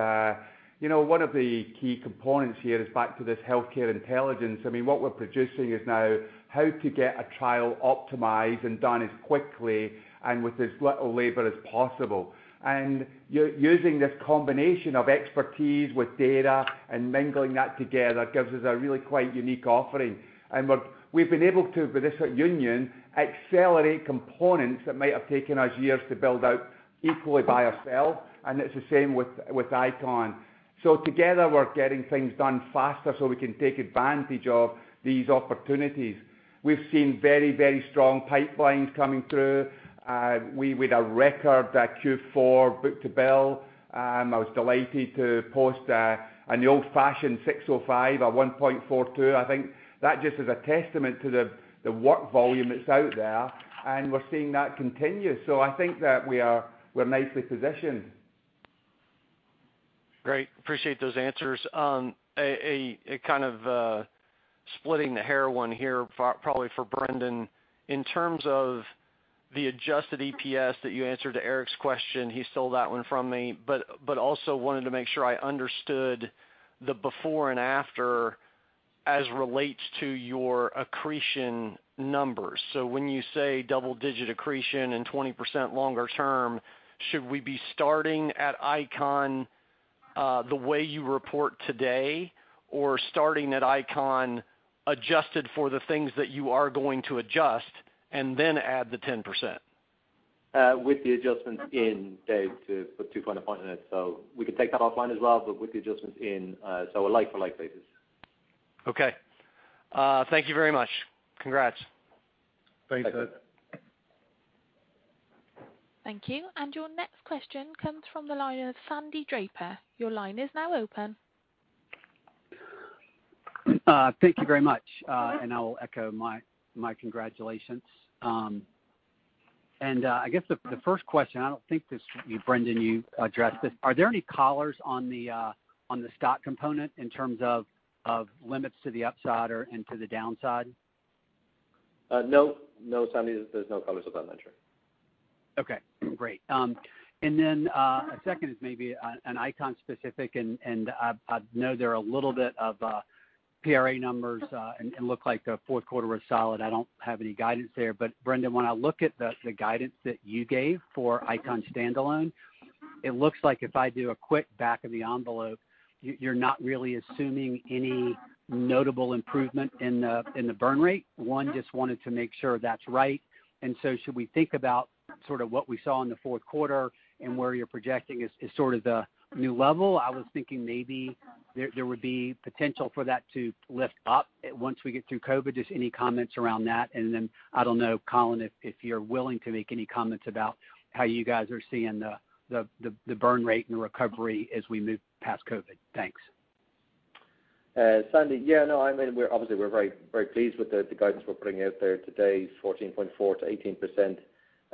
one of the key components here is back to this healthcare intelligence. What we're producing is now how to get a trial optimized and done as quickly and with as little labor as possible. Using this combination of expertise with data and mingling that together gives us a really quite unique offering. We've been able to, with this union, accelerate components that might have taken us years to build out equally by ourselves, and it's the same with ICON. Together, we're getting things done faster so we can take advantage of these opportunities. We've seen very strong pipelines coming through, with a record Q4 book-to-bill. I was delighted to post the old-fashioned 605, a 1.42x. I think that just is a testament to the work volume that's out there, and we're seeing that continue. I think that we're nicely positioned. Great. Appreciate those answers. A kind of splitting the hair one here, probably for Brendan. In terms of the adjusted EPS that you answered to Eric's question, he stole that one from me, but also wanted to make sure I understood the before and after as relates to your accretion numbers. When you say double-digit accretion and 20% longer term, should we be starting at ICON the way you report today or starting at ICON adjusted for the things that you are going to adjust and then add the 10%? With the adjustment in, Dave, to put too fine a point on it. We can take that offline as well, but with the adjustments in, so a like for like basis. Okay. Thank you very much. Congrats. Thanks, Dave. Thanks. Thank you. Your next question comes from the line of Sandy Draper. Your line is now open. Thank you very much. I'll echo my congratulations. I guess the first question, I don't think this, Brendan, you addressed this. Are there any collars on the stock component in terms of limits to the upside and to the downside? No, Sandy, there's no collars above that trade. Okay, great. Second is maybe an ICON specific, and I know they're a little bit of PRA numbers, and look like the fourth quarter was solid. I don't have any guidance there. Brendan, when I look at the guidance that you gave for ICON standalone, it looks like if I do a quick back of the envelope, you're not really assuming any notable improvement in the burn rate. One, just wanted to make sure that's right. Should we think about sort of what we saw in the fourth quarter and where you're projecting is sort of the new level? I was thinking maybe there would be potential for that to lift up once we get through COVID. Any comments around that, and then I don't know, Colin, if you're willing to make any comments about how you guys are seeing the burn rate and recovery as we move past COVID. Thanks. Sandy, yeah. No, obviously, we're very pleased with the guidance we're putting out there today. 14.4%-18%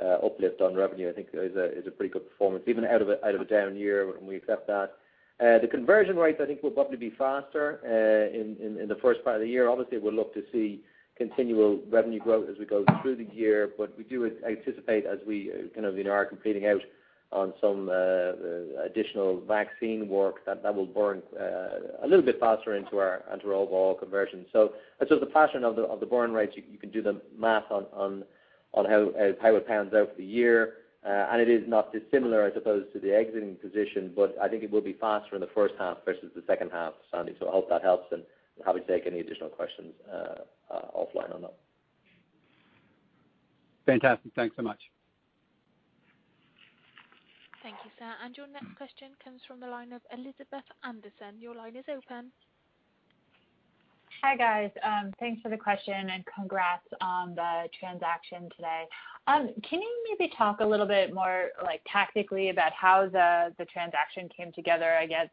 uplift on revenue, I think is a pretty good performance, even out of a down year, and we accept that. The conversion rates, I think, will probably be faster in the first part of the year. Obviously, we'll look to see continual revenue growth as we go through the year. But we do anticipate as we are competing out on some additional vaccine work, that will burn a little bit faster into our overall conversion. It's just the pattern of the burn rates. You can do the math on how it pans out for the year. It is not dissimilar, I suppose, to the exiting position, but I think it will be faster in the first half versus the second half, Sandy. I hope that helps, and I'm happy to take any additional questions offline on that. Fantastic. Thanks so much. Thank you, sir. Your next question comes from the line of Elizabeth Anderson. Your line is open. Hi, guys. Thanks for the question, and congrats on the transaction today. Can you maybe talk a little bit more tactically about how the transaction came together? I guess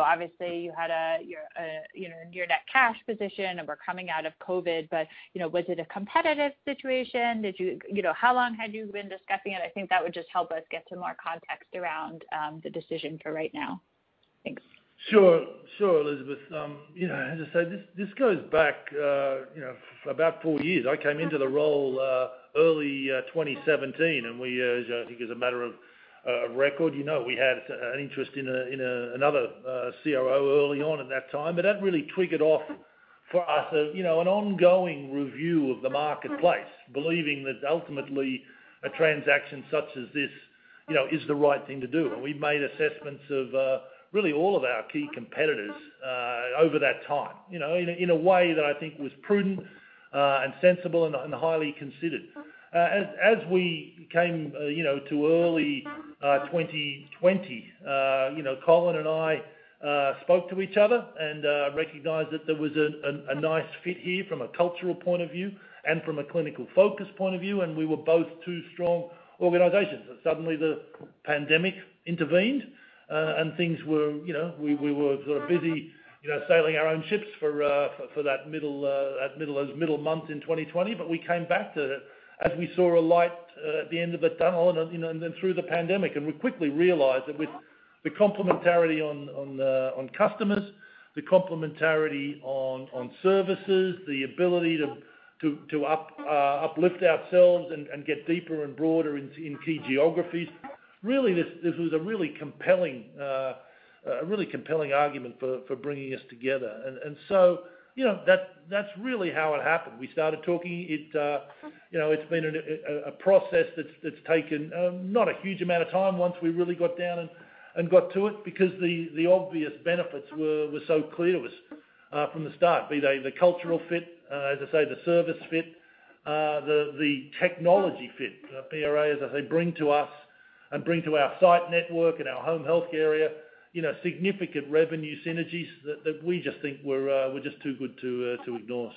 obviously you had your net cash position and were coming out of COVID, but was it a competitive situation? How long had you been discussing it? I think that would just help us get some more context around the decision for right now. Thanks. Sure, Elizabeth. As I said, this goes back about four years. I came into the role early 2017. We, as I think, as a matter of record, we had an interest in another CRO early on at that time. That really triggered off for us an ongoing review of the marketplace, believing that ultimately a transaction such as this is the right thing to do. We've made assessments of really all of our key competitors over that time, in a way that I think was prudent and sensible and highly considered. As we came to early 2020, Colin and I spoke to each other and recognized that there was a nice fit here from a cultural point of view and from a clinical focus point of view. We were both two strong organizations. Suddenly the pandemic intervened, and we were sort of busy sailing our own ships for those middle months in 2020. We came back to it as we saw a light at the end of the tunnel and then through the pandemic. We quickly realized that with the complementarity on customers, the complementarity on services, the ability to uplift ourselves and get deeper and broader in key geographies, really, this was a really compelling argument for bringing us together. That's really how it happened. We started talking. It's been a process that's taken not a huge amount of time once we really got down and got to it, because the obvious benefits were so clear to us from the start, be they the cultural fit, as I say, the service fit, the technology fit. PRA, as I say, bring to us and bring to our site network and our home health area significant revenue synergies that we just think were just too good to ignore.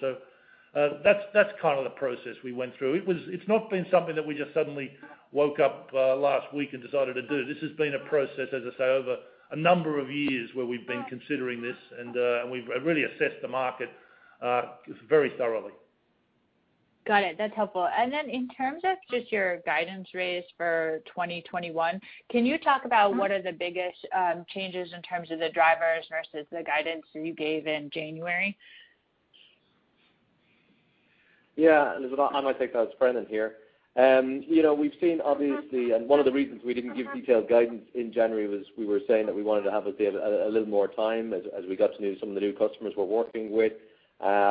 That's kind of the process we went through. It's not been something that we just suddenly woke up last week and decided to do. This has been a process, as I say, over a number of years where we've been considering this, and we've really assessed the market very thoroughly. Got it. That's helpful. In terms of just your guidance raise for 2021, can you talk about what are the biggest changes in terms of the drivers versus the guidance that you gave in January? Yeah. Elizabeth, I might take that. It's Brendan here. We've seen, obviously, one of the reasons we didn't give detailed guidance in January was we were saying that we wanted to have a little more time as we got to know some of the new customers we're working with.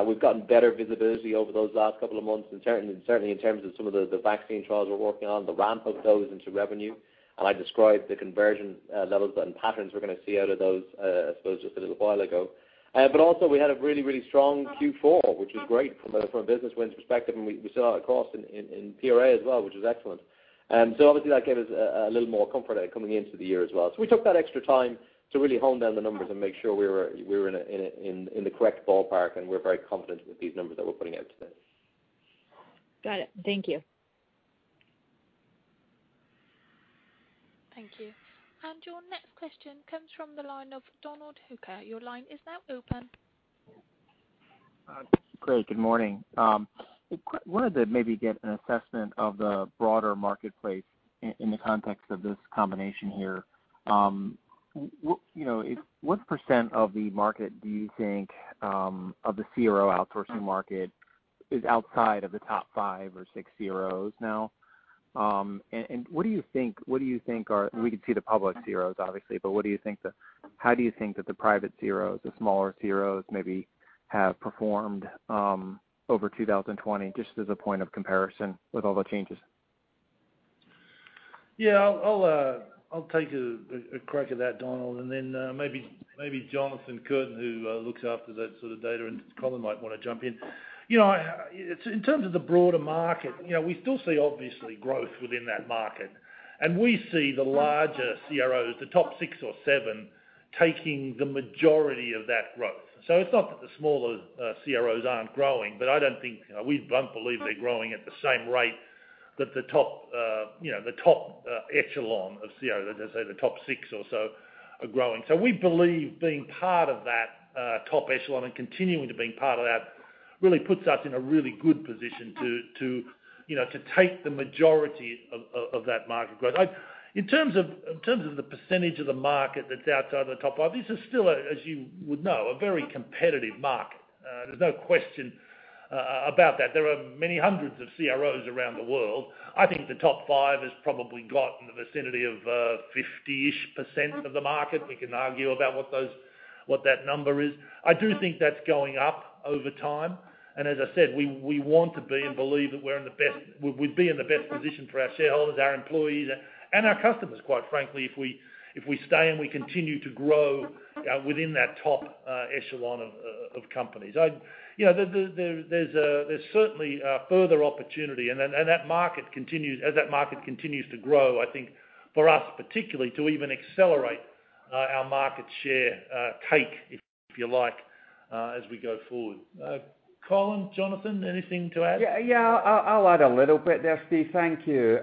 We've gotten better visibility over those last couple of months, certainly in terms of some of the vaccine trials we're working on, the ramp of those into revenue. I described the conversion levels and patterns we're going to see out of those, I suppose, just a little while ago. Also, we had a really strong Q4, which was great from a business wins perspective, and we saw it, of course, in PRA as well, which was excellent. Obviously, that gave us a little more comfort coming into the year as well. We took that extra time to really hone down the numbers and make sure we were in the correct ballpark, and we're very confident with these numbers that we're putting out today. Got it. Thank you. Thank you. Your next question comes from the line of Donald Hooker. Your line is now open. Great. Good morning. I wanted to maybe get an assessment of the broader marketplace in the context of this combination here. What percent of the market do you think, of the CRO outsourcing market, is outside of the top five or six CROs now? What do you think? We can see the public CROs obviously, but how do you think that the private CROs, the smaller CROs, maybe have performed over 2020, just as a point of comparison with all the changes? Yeah. I'll take a crack at that, Donald, and then maybe Jonathan could, who looks after that sort of data, and Colin might want to jump in. In terms of the broader market, we still see obviously growth within that market, and we see the larger CROs, the top six or seven, taking the majority of that growth. It's not that the smaller CROs aren't growing, but I don't believe they're growing at the same rate that the top echelon of CROs, let's say the top six or so, are growing. We believe being part of that top echelon and continuing to being part of that, really puts us in a really good position to take the majority of that market growth. In terms of the percentage of the market that's outside of the top five, this is still, as you would know, a very competitive market. There's no question about that. There are many hundreds of CROs around the world. I think the top five has probably got in the vicinity of 50%-ish of the market. We can argue about what that number is. I do think that's going up over time, and as I said, we want to be, and believe that we'd be in the best position for our shareholders, our employees, and our customers, quite frankly, if we stay and we continue to grow within that top echelon of companies. There's certainly a further opportunity, and as that market continues to grow, I think, for us, particularly, to even accelerate our market share take, if you like, as we go forward. Colin, Jonathan, anything to add? Yeah. I'll add a little bit there, Steve. Thank you.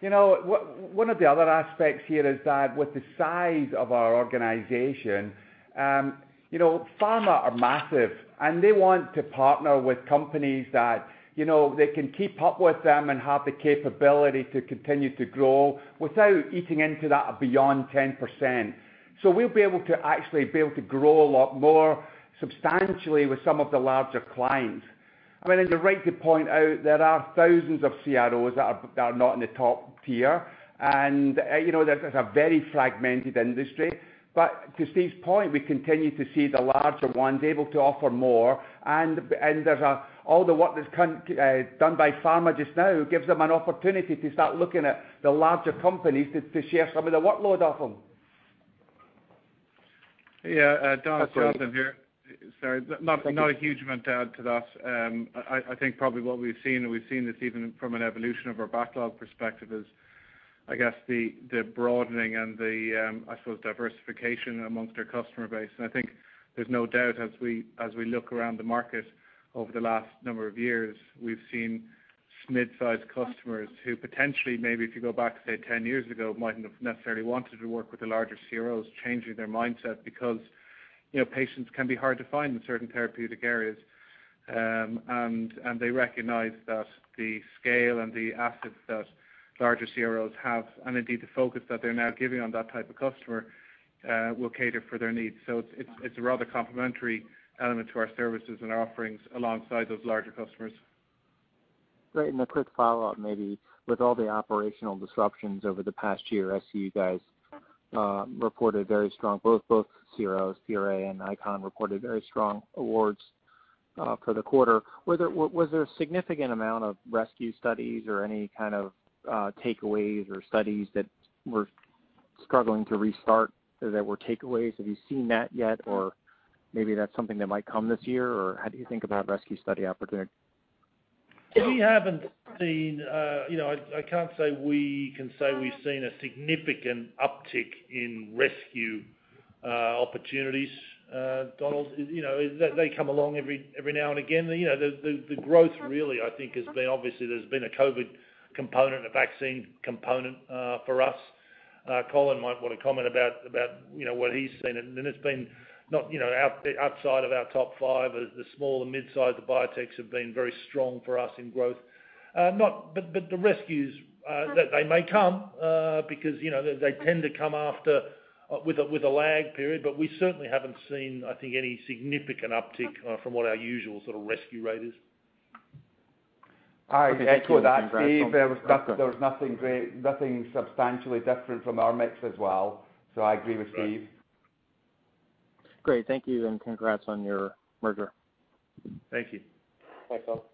One of the other aspects here is that with the size of our organization, pharma are massive, and they want to partner with companies that they can keep up with them and have the capability to continue to grow without eating into that beyond 10%. We'll be able to actually be able to grow a lot more substantially with some of the larger clients. You're right to point out, there are thousands of CROs that are not in the top tier, and that's a very fragmented industry. To Steve's point, we continue to see the larger ones able to offer more, and all the work that's done by pharma just now gives them an opportunity to start looking at the larger companies to share some of the workload off them. Yeah. Jonathan here. That's great. Sorry. Not a huge amount to add to that. I think probably what we've seen, and we've seen this even from an evolution of our backlog perspective, is, I guess, the broadening and the, I suppose, diversification amongst our customer base. I think there's no doubt as we look around the market over the last number of years, we've seen mid-sized customers who potentially maybe, if you go back, say, 10 years ago, mightn't have necessarily wanted to work with the larger CROs, changing their mindset because patients can be hard to find in certain therapeutic areas. They recognize that the scale and the assets that larger CROs have, and indeed the focus that they're now giving on that type of customer, will cater for their needs. It's a rather complementary element to our services and offerings alongside those larger customers. Great. A quick follow-up, maybe. With all the operational disruptions over the past year, I see you guys reported very strong, both CROs, PRA and ICON, reported very strong awards for the quarter. Was there a significant amount of rescue studies or any kind of takeaways or studies that were struggling to restart that were takeaways? Have you seen that yet? Maybe that's something that might come this year, or how do you think about rescue study opportunities? We haven't seen I can't say we can say we've seen a significant uptick in rescue opportunities, Donald. They come along every now and again. The growth really, I think, has been, obviously there's been a COVID component, a vaccine component for us. Colin might want to comment about what he's seen. It's been outside of our top five. The small and mid-sized biotechs have been very strong for us in growth. The rescues, they may come, because they tend to come after with a lag period. We certainly haven't seen, I think, any significant uptick from what our usual sort of rescue rate is. I echo that, Steve. There was nothing substantially different from our mix as well. I agree with Steve. Great. Thank you, and congrats on your merger. Thank you. Thanks, Donald.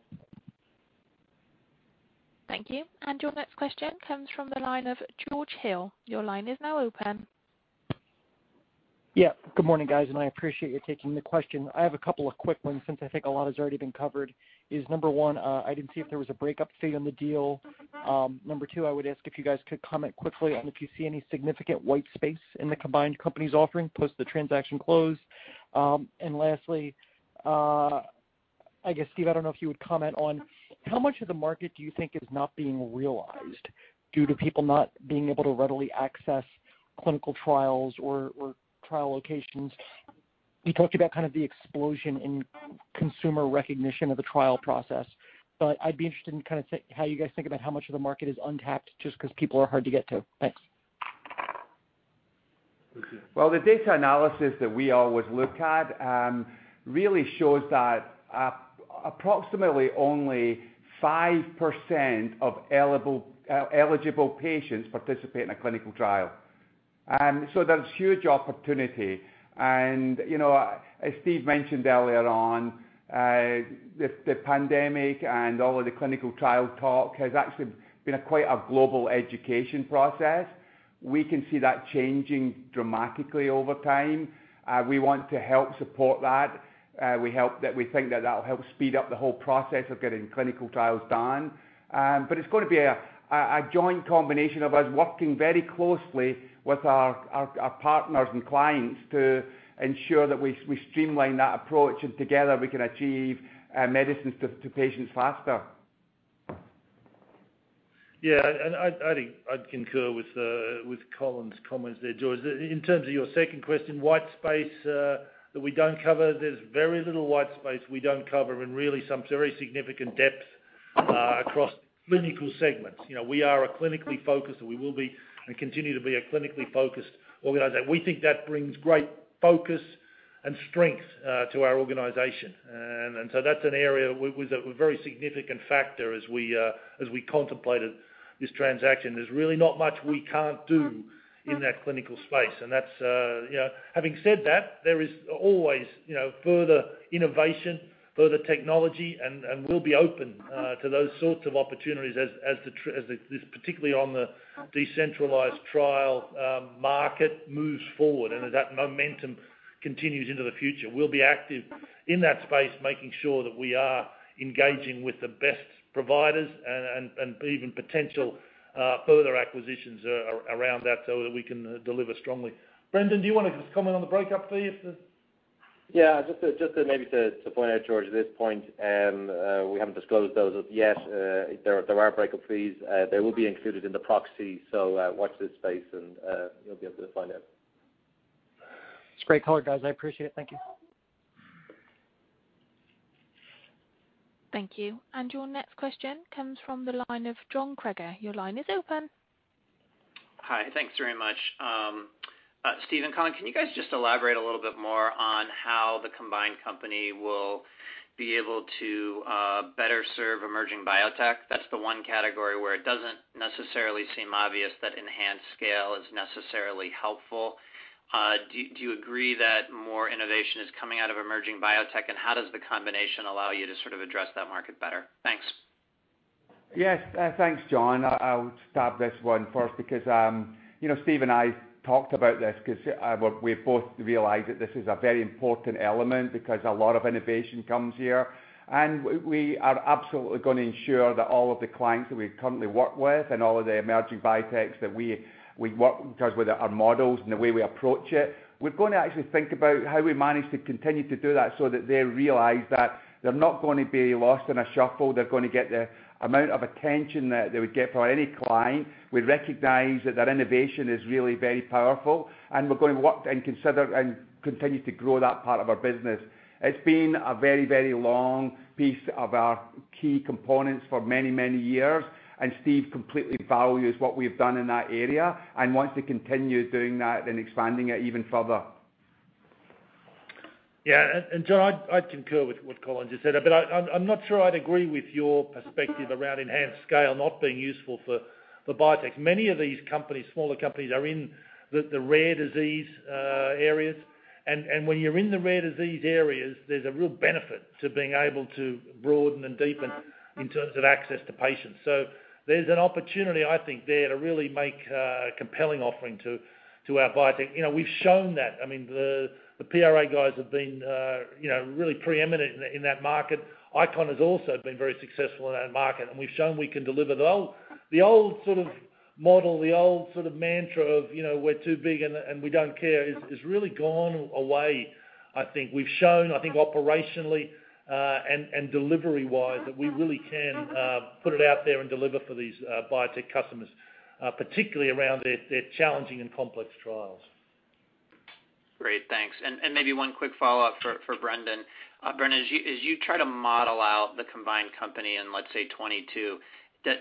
Thank you. Your next question comes from the line of George Hill. Your line is now open. Yeah. Good morning, guys. I appreciate you taking the question. I have a couple of quick ones since I think a lot has already been covered, is number one, I didn't see if there was a breakup fee on the deal. Number two, I would ask if you guys could comment quickly on if you see any significant white space in the combined company's offering post the transaction close. Lastly, I guess, Steve, I don't know if you would comment on how much of the market do you think is not being realized due to people not being able to readily access clinical trials or trial locations? You talked about kind of the explosion in consumer recognition of the trial process. I'd be interested in how you guys think about how much of the market is untapped just because people are hard to get to. Thanks. Okay. The data analysis that we always look at really shows that approximately only 5% of eligible patients participate in a clinical trial. There's huge opportunity. As Steve mentioned earlier on, the pandemic and all of the clinical trial talk has actually been quite a global education process. We can see that changing dramatically over time. We want to help support that. We think that that'll help speed up the whole process of getting clinical trials done. It's going to be a joint combination of us working very closely with our partners and clients to ensure that we streamline that approach, and together we can achieve medicines to patients faster. Yeah, I think I'd concur with Colin's comments there, George. In terms of your second question, white space that we don't cover, there's very little white space we don't cover and really some very significant depth across clinical segments. We are a clinically focused, and we will be, and continue to be, a clinically focused organization. We think that brings great focus and strength to our organization. That's an area with a very significant factor as we contemplated this transaction. There's really not much we can't do in that clinical space. Having said that, there is always further innovation, further technology, and we'll be open to those sorts of opportunities as, particularly on the decentralized trial market, moves forward and as that momentum continues into the future. We'll be active in that space, making sure that we are engaging with the best providers and even potential further acquisitions around that so that we can deliver strongly. Brendan, do you want to just comment on the breakup fee? Yeah, just to maybe to point out, George, at this point, we haven't disclosed those as yet. If there are breakup fees, they will be included in the proxy. Watch this space, and you'll be able to find out. It's great color, guys. I appreciate it. Thank you. Thank you. Your next question comes from the line of John Kreger. Your line is open. Hi. Thanks very much. Steve and Colin, can you guys just elaborate a little bit more on how the combined company will be able to better serve emerging biotech? That's the one category where it doesn't necessarily seem obvious that enhanced scale is necessarily helpful. Do you agree that more innovation is coming out of emerging biotech? How does the combination allow you to sort of address that market better? Thanks. Yes. Thanks, John. I'll start this one first because Steve and I talked about this because we both realized that this is a very important element because a lot of innovation comes here. We are absolutely going to ensure that all of the clients that we currently work with and all of the emerging biotechs that we work with, in terms with our models and the way we approach it, we're going to actually think about how we manage to continue to do that so that they realize that they're not going to be lost in a shuffle. They're going to get the amount of attention that they would get from any client. We recognize that their innovation is really very powerful, and we're going to work and consider and continue to grow that part of our business. It's been a very, very long piece of our key components for many, many years, and Steve completely values what we've done in that area and wants to continue doing that and expanding it even further. Yeah. John, I'd concur with what Colin just said. I'm not sure I'd agree with your perspective around enhanced scale not being useful for biotech. Many of these companies, smaller companies, are in the rare disease areas. When you're in the rare disease areas, there's a real benefit to being able to broaden and deepen in terms of access to patients. There's an opportunity, I think there, to really make a compelling offering to our biotech. We've shown that. I mean, the PRA guys have been really preeminent in that market. ICON has also been very successful in that market, and we've shown we can deliver. The old sort of model, the old sort of mantra of we're too big and we don't care, has really gone away, I think. We've shown, I think operationally and delivery-wise, that we really can put it out there and deliver for these biotech customers, particularly around their challenging and complex trials. Great, thanks. Maybe one quick follow-up for Brendan. Brendan, as you try to model out the combined company in, let's say 2022,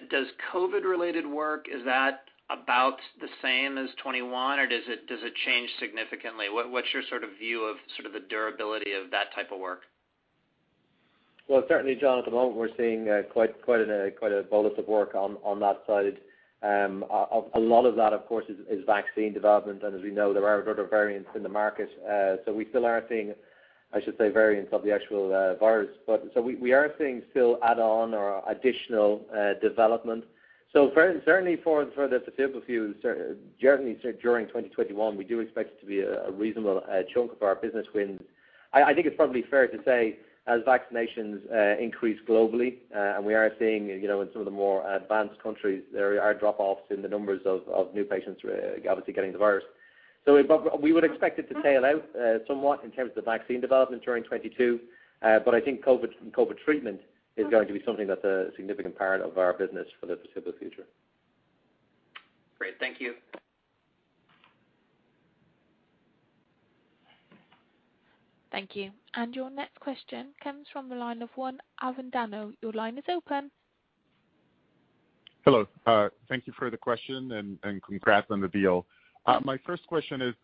does COVID-related work, is that about the same as 2021? Does it change significantly? What's your sort of view of sort of the durability of that type of work? Well, certainly, John, at the moment, we're seeing quite a bolus of work on that side. A lot of that, of course, is vaccine development, and as we know, there are a lot of variants in the market. We still are seeing, I should say, variants of the actual virus. We are seeing still add-on or additional development. Certainly for the foreseeable, certainly during 2021, we do expect it to be a reasonable chunk of our business wins. I think it's probably fair to say, as vaccinations increase globally, and we are seeing in some of the more advanced countries, there are drop-offs in the numbers of new patients obviously getting the virus. We would expect it to tail out somewhat in terms of vaccine development during 2022. I think COVID treatment is going to be something that's a significant part of our business for the foreseeable future. Great. Thank you. Thank you. Your next question comes from the line of Juan Avendano. Your line is open. Hello. Thank you for the question, and congrats on the deal. My first question is,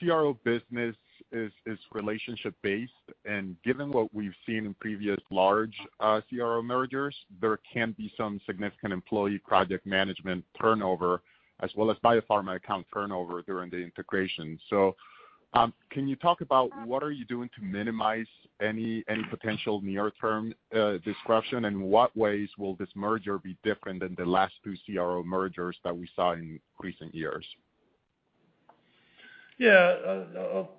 CRO business is relationship-based, and given what we've seen in previous large CRO mergers, there can be some significant employee project management turnover, as well as biopharma account turnover during the integration. Can you talk about what are you doing to minimize any potential near-term disruption, and what ways will this merger be different than the last two CRO mergers that we saw in recent years? Yeah.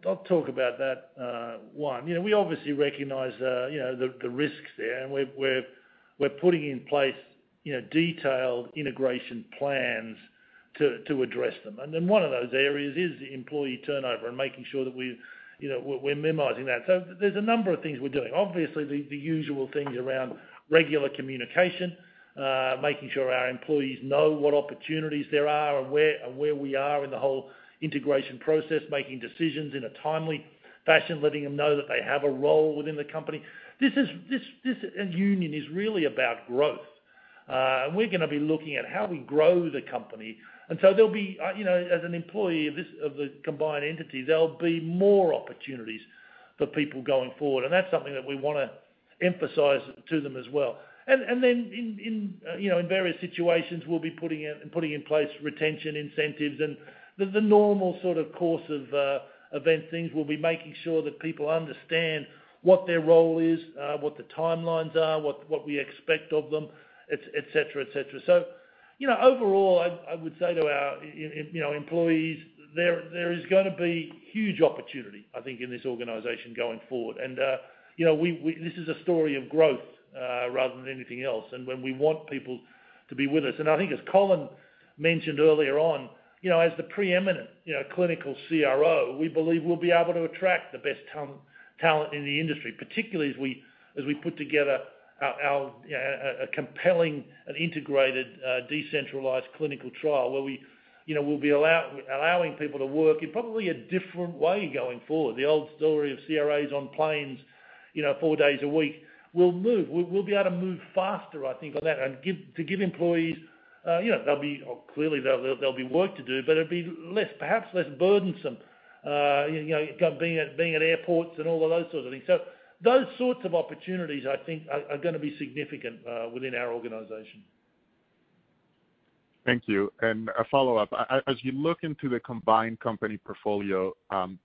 I'll talk about that, Juan. We obviously recognize the risks there, and we're putting in place detailed integration plans to address them. One of those areas is employee turnover and making sure that we're minimizing that. There's a number of things we're doing. Obviously, the usual things around regular communication, making sure our employees know what opportunities there are and where we are in the whole integration process, making decisions in a timely fashion, letting them know that they have a role within the company. This union is really about growth. We're going to be looking at how we grow the company. As an employee of the combined entity, there'll be more opportunities for people going forward. That's something that we want to emphasize to them as well. In various situations, we'll be putting in place retention incentives and the normal sort of course of event things. We'll be making sure that people understand what their role is, what the timelines are, what we expect of them, et cetera. Overall, I would say to our employees, there is going to be huge opportunity, I think, in this organization going forward. This is a story of growth rather than anything else. When we want people to be with us, and I think as Colin mentioned earlier on, as the preeminent clinical CRO, we believe we'll be able to attract the best talent in the industry, particularly as we put together a compelling and integrated decentralized clinical trial, where we'll be allowing people to work in probably a different way going forward. The old story of CRAs on planes four days a week will move. We'll be able to move faster, I think, on that and to give employees. Clearly, there'll be work to do, but it'd be perhaps less burdensome, being at airports and all of those sorts of things. Those sorts of opportunities, I think, are going to be significant within our organization. Thank you. A follow-up. As you look into the combined company portfolio,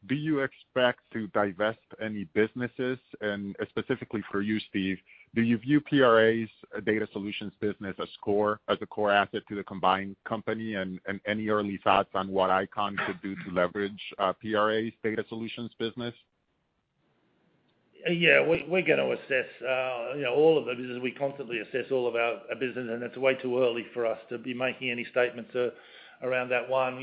do you expect to divest any businesses? Specifically for you, Steve, do you view PRA's data solutions business as a core asset to the combined company? Any early thoughts on what ICON could do to leverage PRA's data solutions business? Yeah. We're going to assess all of the business. We constantly assess all of our business, and it's way too early for us to be making any statements around that one.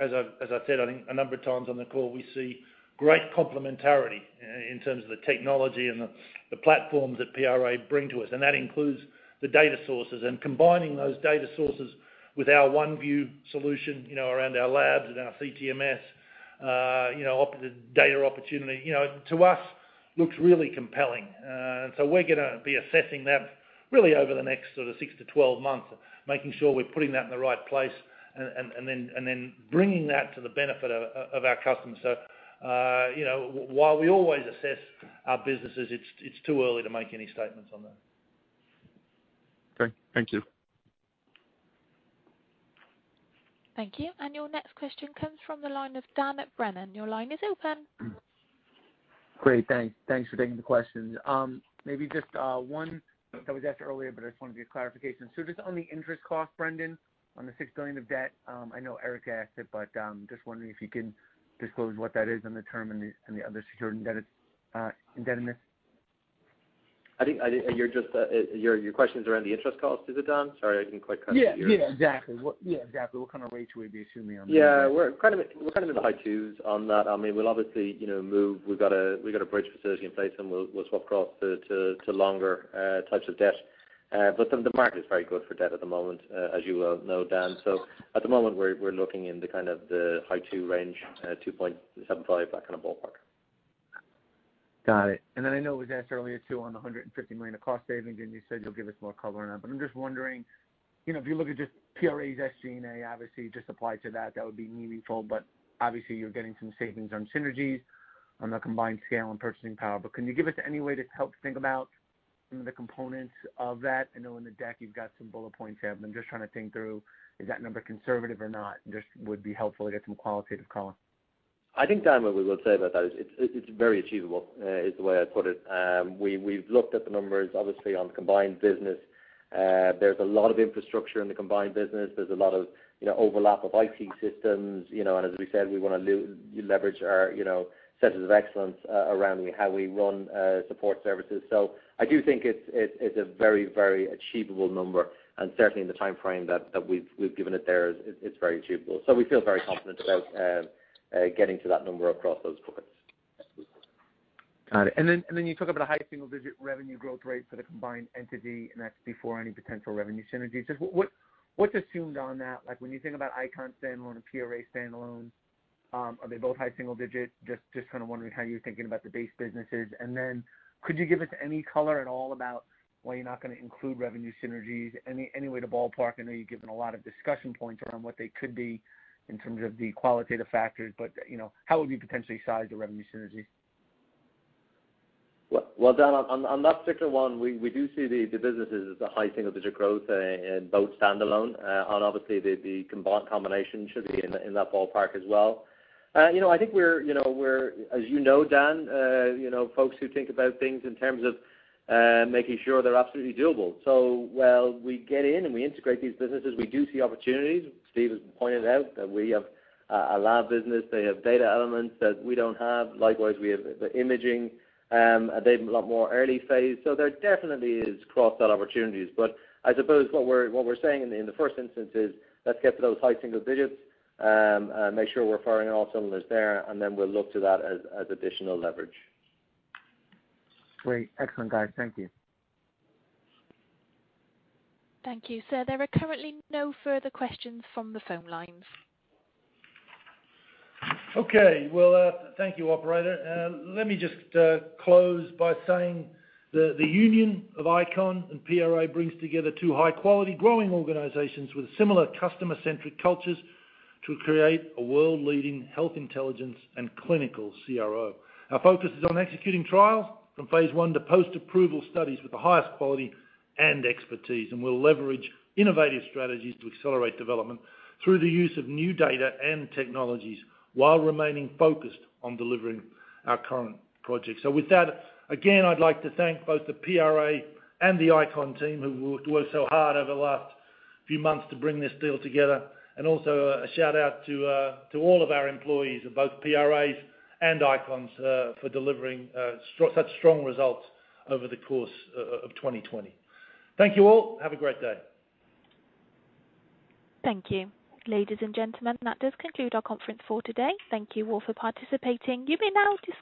As I've said, I think a number of times on the call, we see great complementarity in terms of the technology and the platforms that PRA bring to us, and that includes the data sources. Combining those data sources with our OneView solution around our labs and our CTMS data opportunity, to us, looks really compelling. We're going to be assessing that really over the next sort of 6-12 months, making sure we're putting that in the right place and then bringing that to the benefit of our customers. While we always assess our businesses, it's too early to make any statements on that. Great. Thank you. Thank you. Your next question comes from the line of Dan Brennan. Your line is open. Great. Thanks for taking the question. Maybe just one that was asked earlier, but I just wanted to get clarification. Just on the interest cost, Brendan, on the $6 billion of debt, I know Eric asked it, but just wondering if you can disclose what that is on the term and the other secured indebtedness. I think your question is around the interest cost, is it, Dan? Sorry, I didn't quite catch you there. Yeah, exactly. What kind of rates would you be assuming on that? Yeah. We're kind of in the high 2s on that. We'll obviously move. We've got a bridge facility in place, and we'll swap across to longer types of debt. The market is very good for debt at the moment, as you well know, Dan. At the moment, we're looking in the high two range, 2.75, that kind of ballpark. Got it. Then I know it was asked earlier, too, on the $150 million of cost savings, and you said you'll give us more color on that. I'm just wondering, if you look at just PRA's SG&A, obviously, just applied to that would be meaningful. Obviously, you're getting some savings on synergies on the combined scale and purchasing power. Can you give us any way to help think about some of the components of that? I know in the deck you've got some bullet points there, but I'm just trying to think through, is that number conservative or not? Just would be helpful to get some qualitative color. I think, Dan, what we will say about that is it's very achievable, is the way I'd put it. We've looked at the numbers, obviously, on the combined business. There's a lot of infrastructure in the combined business. There's a lot of overlap of IT systems. As we said, we want to leverage our centers of excellence around how we run support services. I do think it's a very achievable number, and certainly in the timeframe that we've given it there, it's very achievable. We feel very confident about getting to that number across those buckets. Got it. You talk about a high single-digit revenue growth rate for the combined entity, and that's before any potential revenue synergies. Just what's assumed on that? When you think about ICON standalone and PRA standalone, are they both high single-digit? Just kind of wondering how you're thinking about the base businesses. Could you give us any color at all about why you're not going to include revenue synergies? Any way to ballpark? I know you've given a lot of discussion points around what they could be in terms of the qualitative factors, but how would you potentially size the revenue synergies? Well, Dan, on that particular one, we do see the businesses as a high single-digit growth in both standalone. Obviously, the combination should be in that ballpark as well. I think we're, as you know, Dan, folks who think about things in terms of making sure they're absolutely doable. While we get in and we integrate these businesses, we do see opportunities. Steve has pointed out that we have a lab business. They have data elements that we don't have. Likewise, we have the imaging, and they've a lot more early phase. There definitely is cross-sell opportunities. I suppose what we're saying in the first instance is, let's get to those high single-digits, make sure we're firing on all cylinders there, and then we'll look to that as additional leverage. Great. Excellent, guys. Thank you. Thank you. Sir, there are currently no further questions from the phone lines. Okay. Well, thank you, operator. Let me just close by saying the union of ICON and PRA brings together two high-quality growing organizations with similar customer-centric cultures to create a world-leading health intelligence and clinical CRO. Our focus is on executing trials from phase I to post-approval studies with the highest quality and expertise. We'll leverage innovative strategies to accelerate development through the use of new data and technologies while remaining focused on delivering our current projects. With that, again, I'd like to thank both the PRA and the ICON team who worked so hard over the last few months to bring this deal together. Also a shout-out to all of our employees of both PRA's and ICON's for delivering such strong results over the course of 2020. Thank you all. Have a great day. Thank you. Ladies and gentlemen, that does conclude our conference for today. Thank you all for participating. You may now disconnect.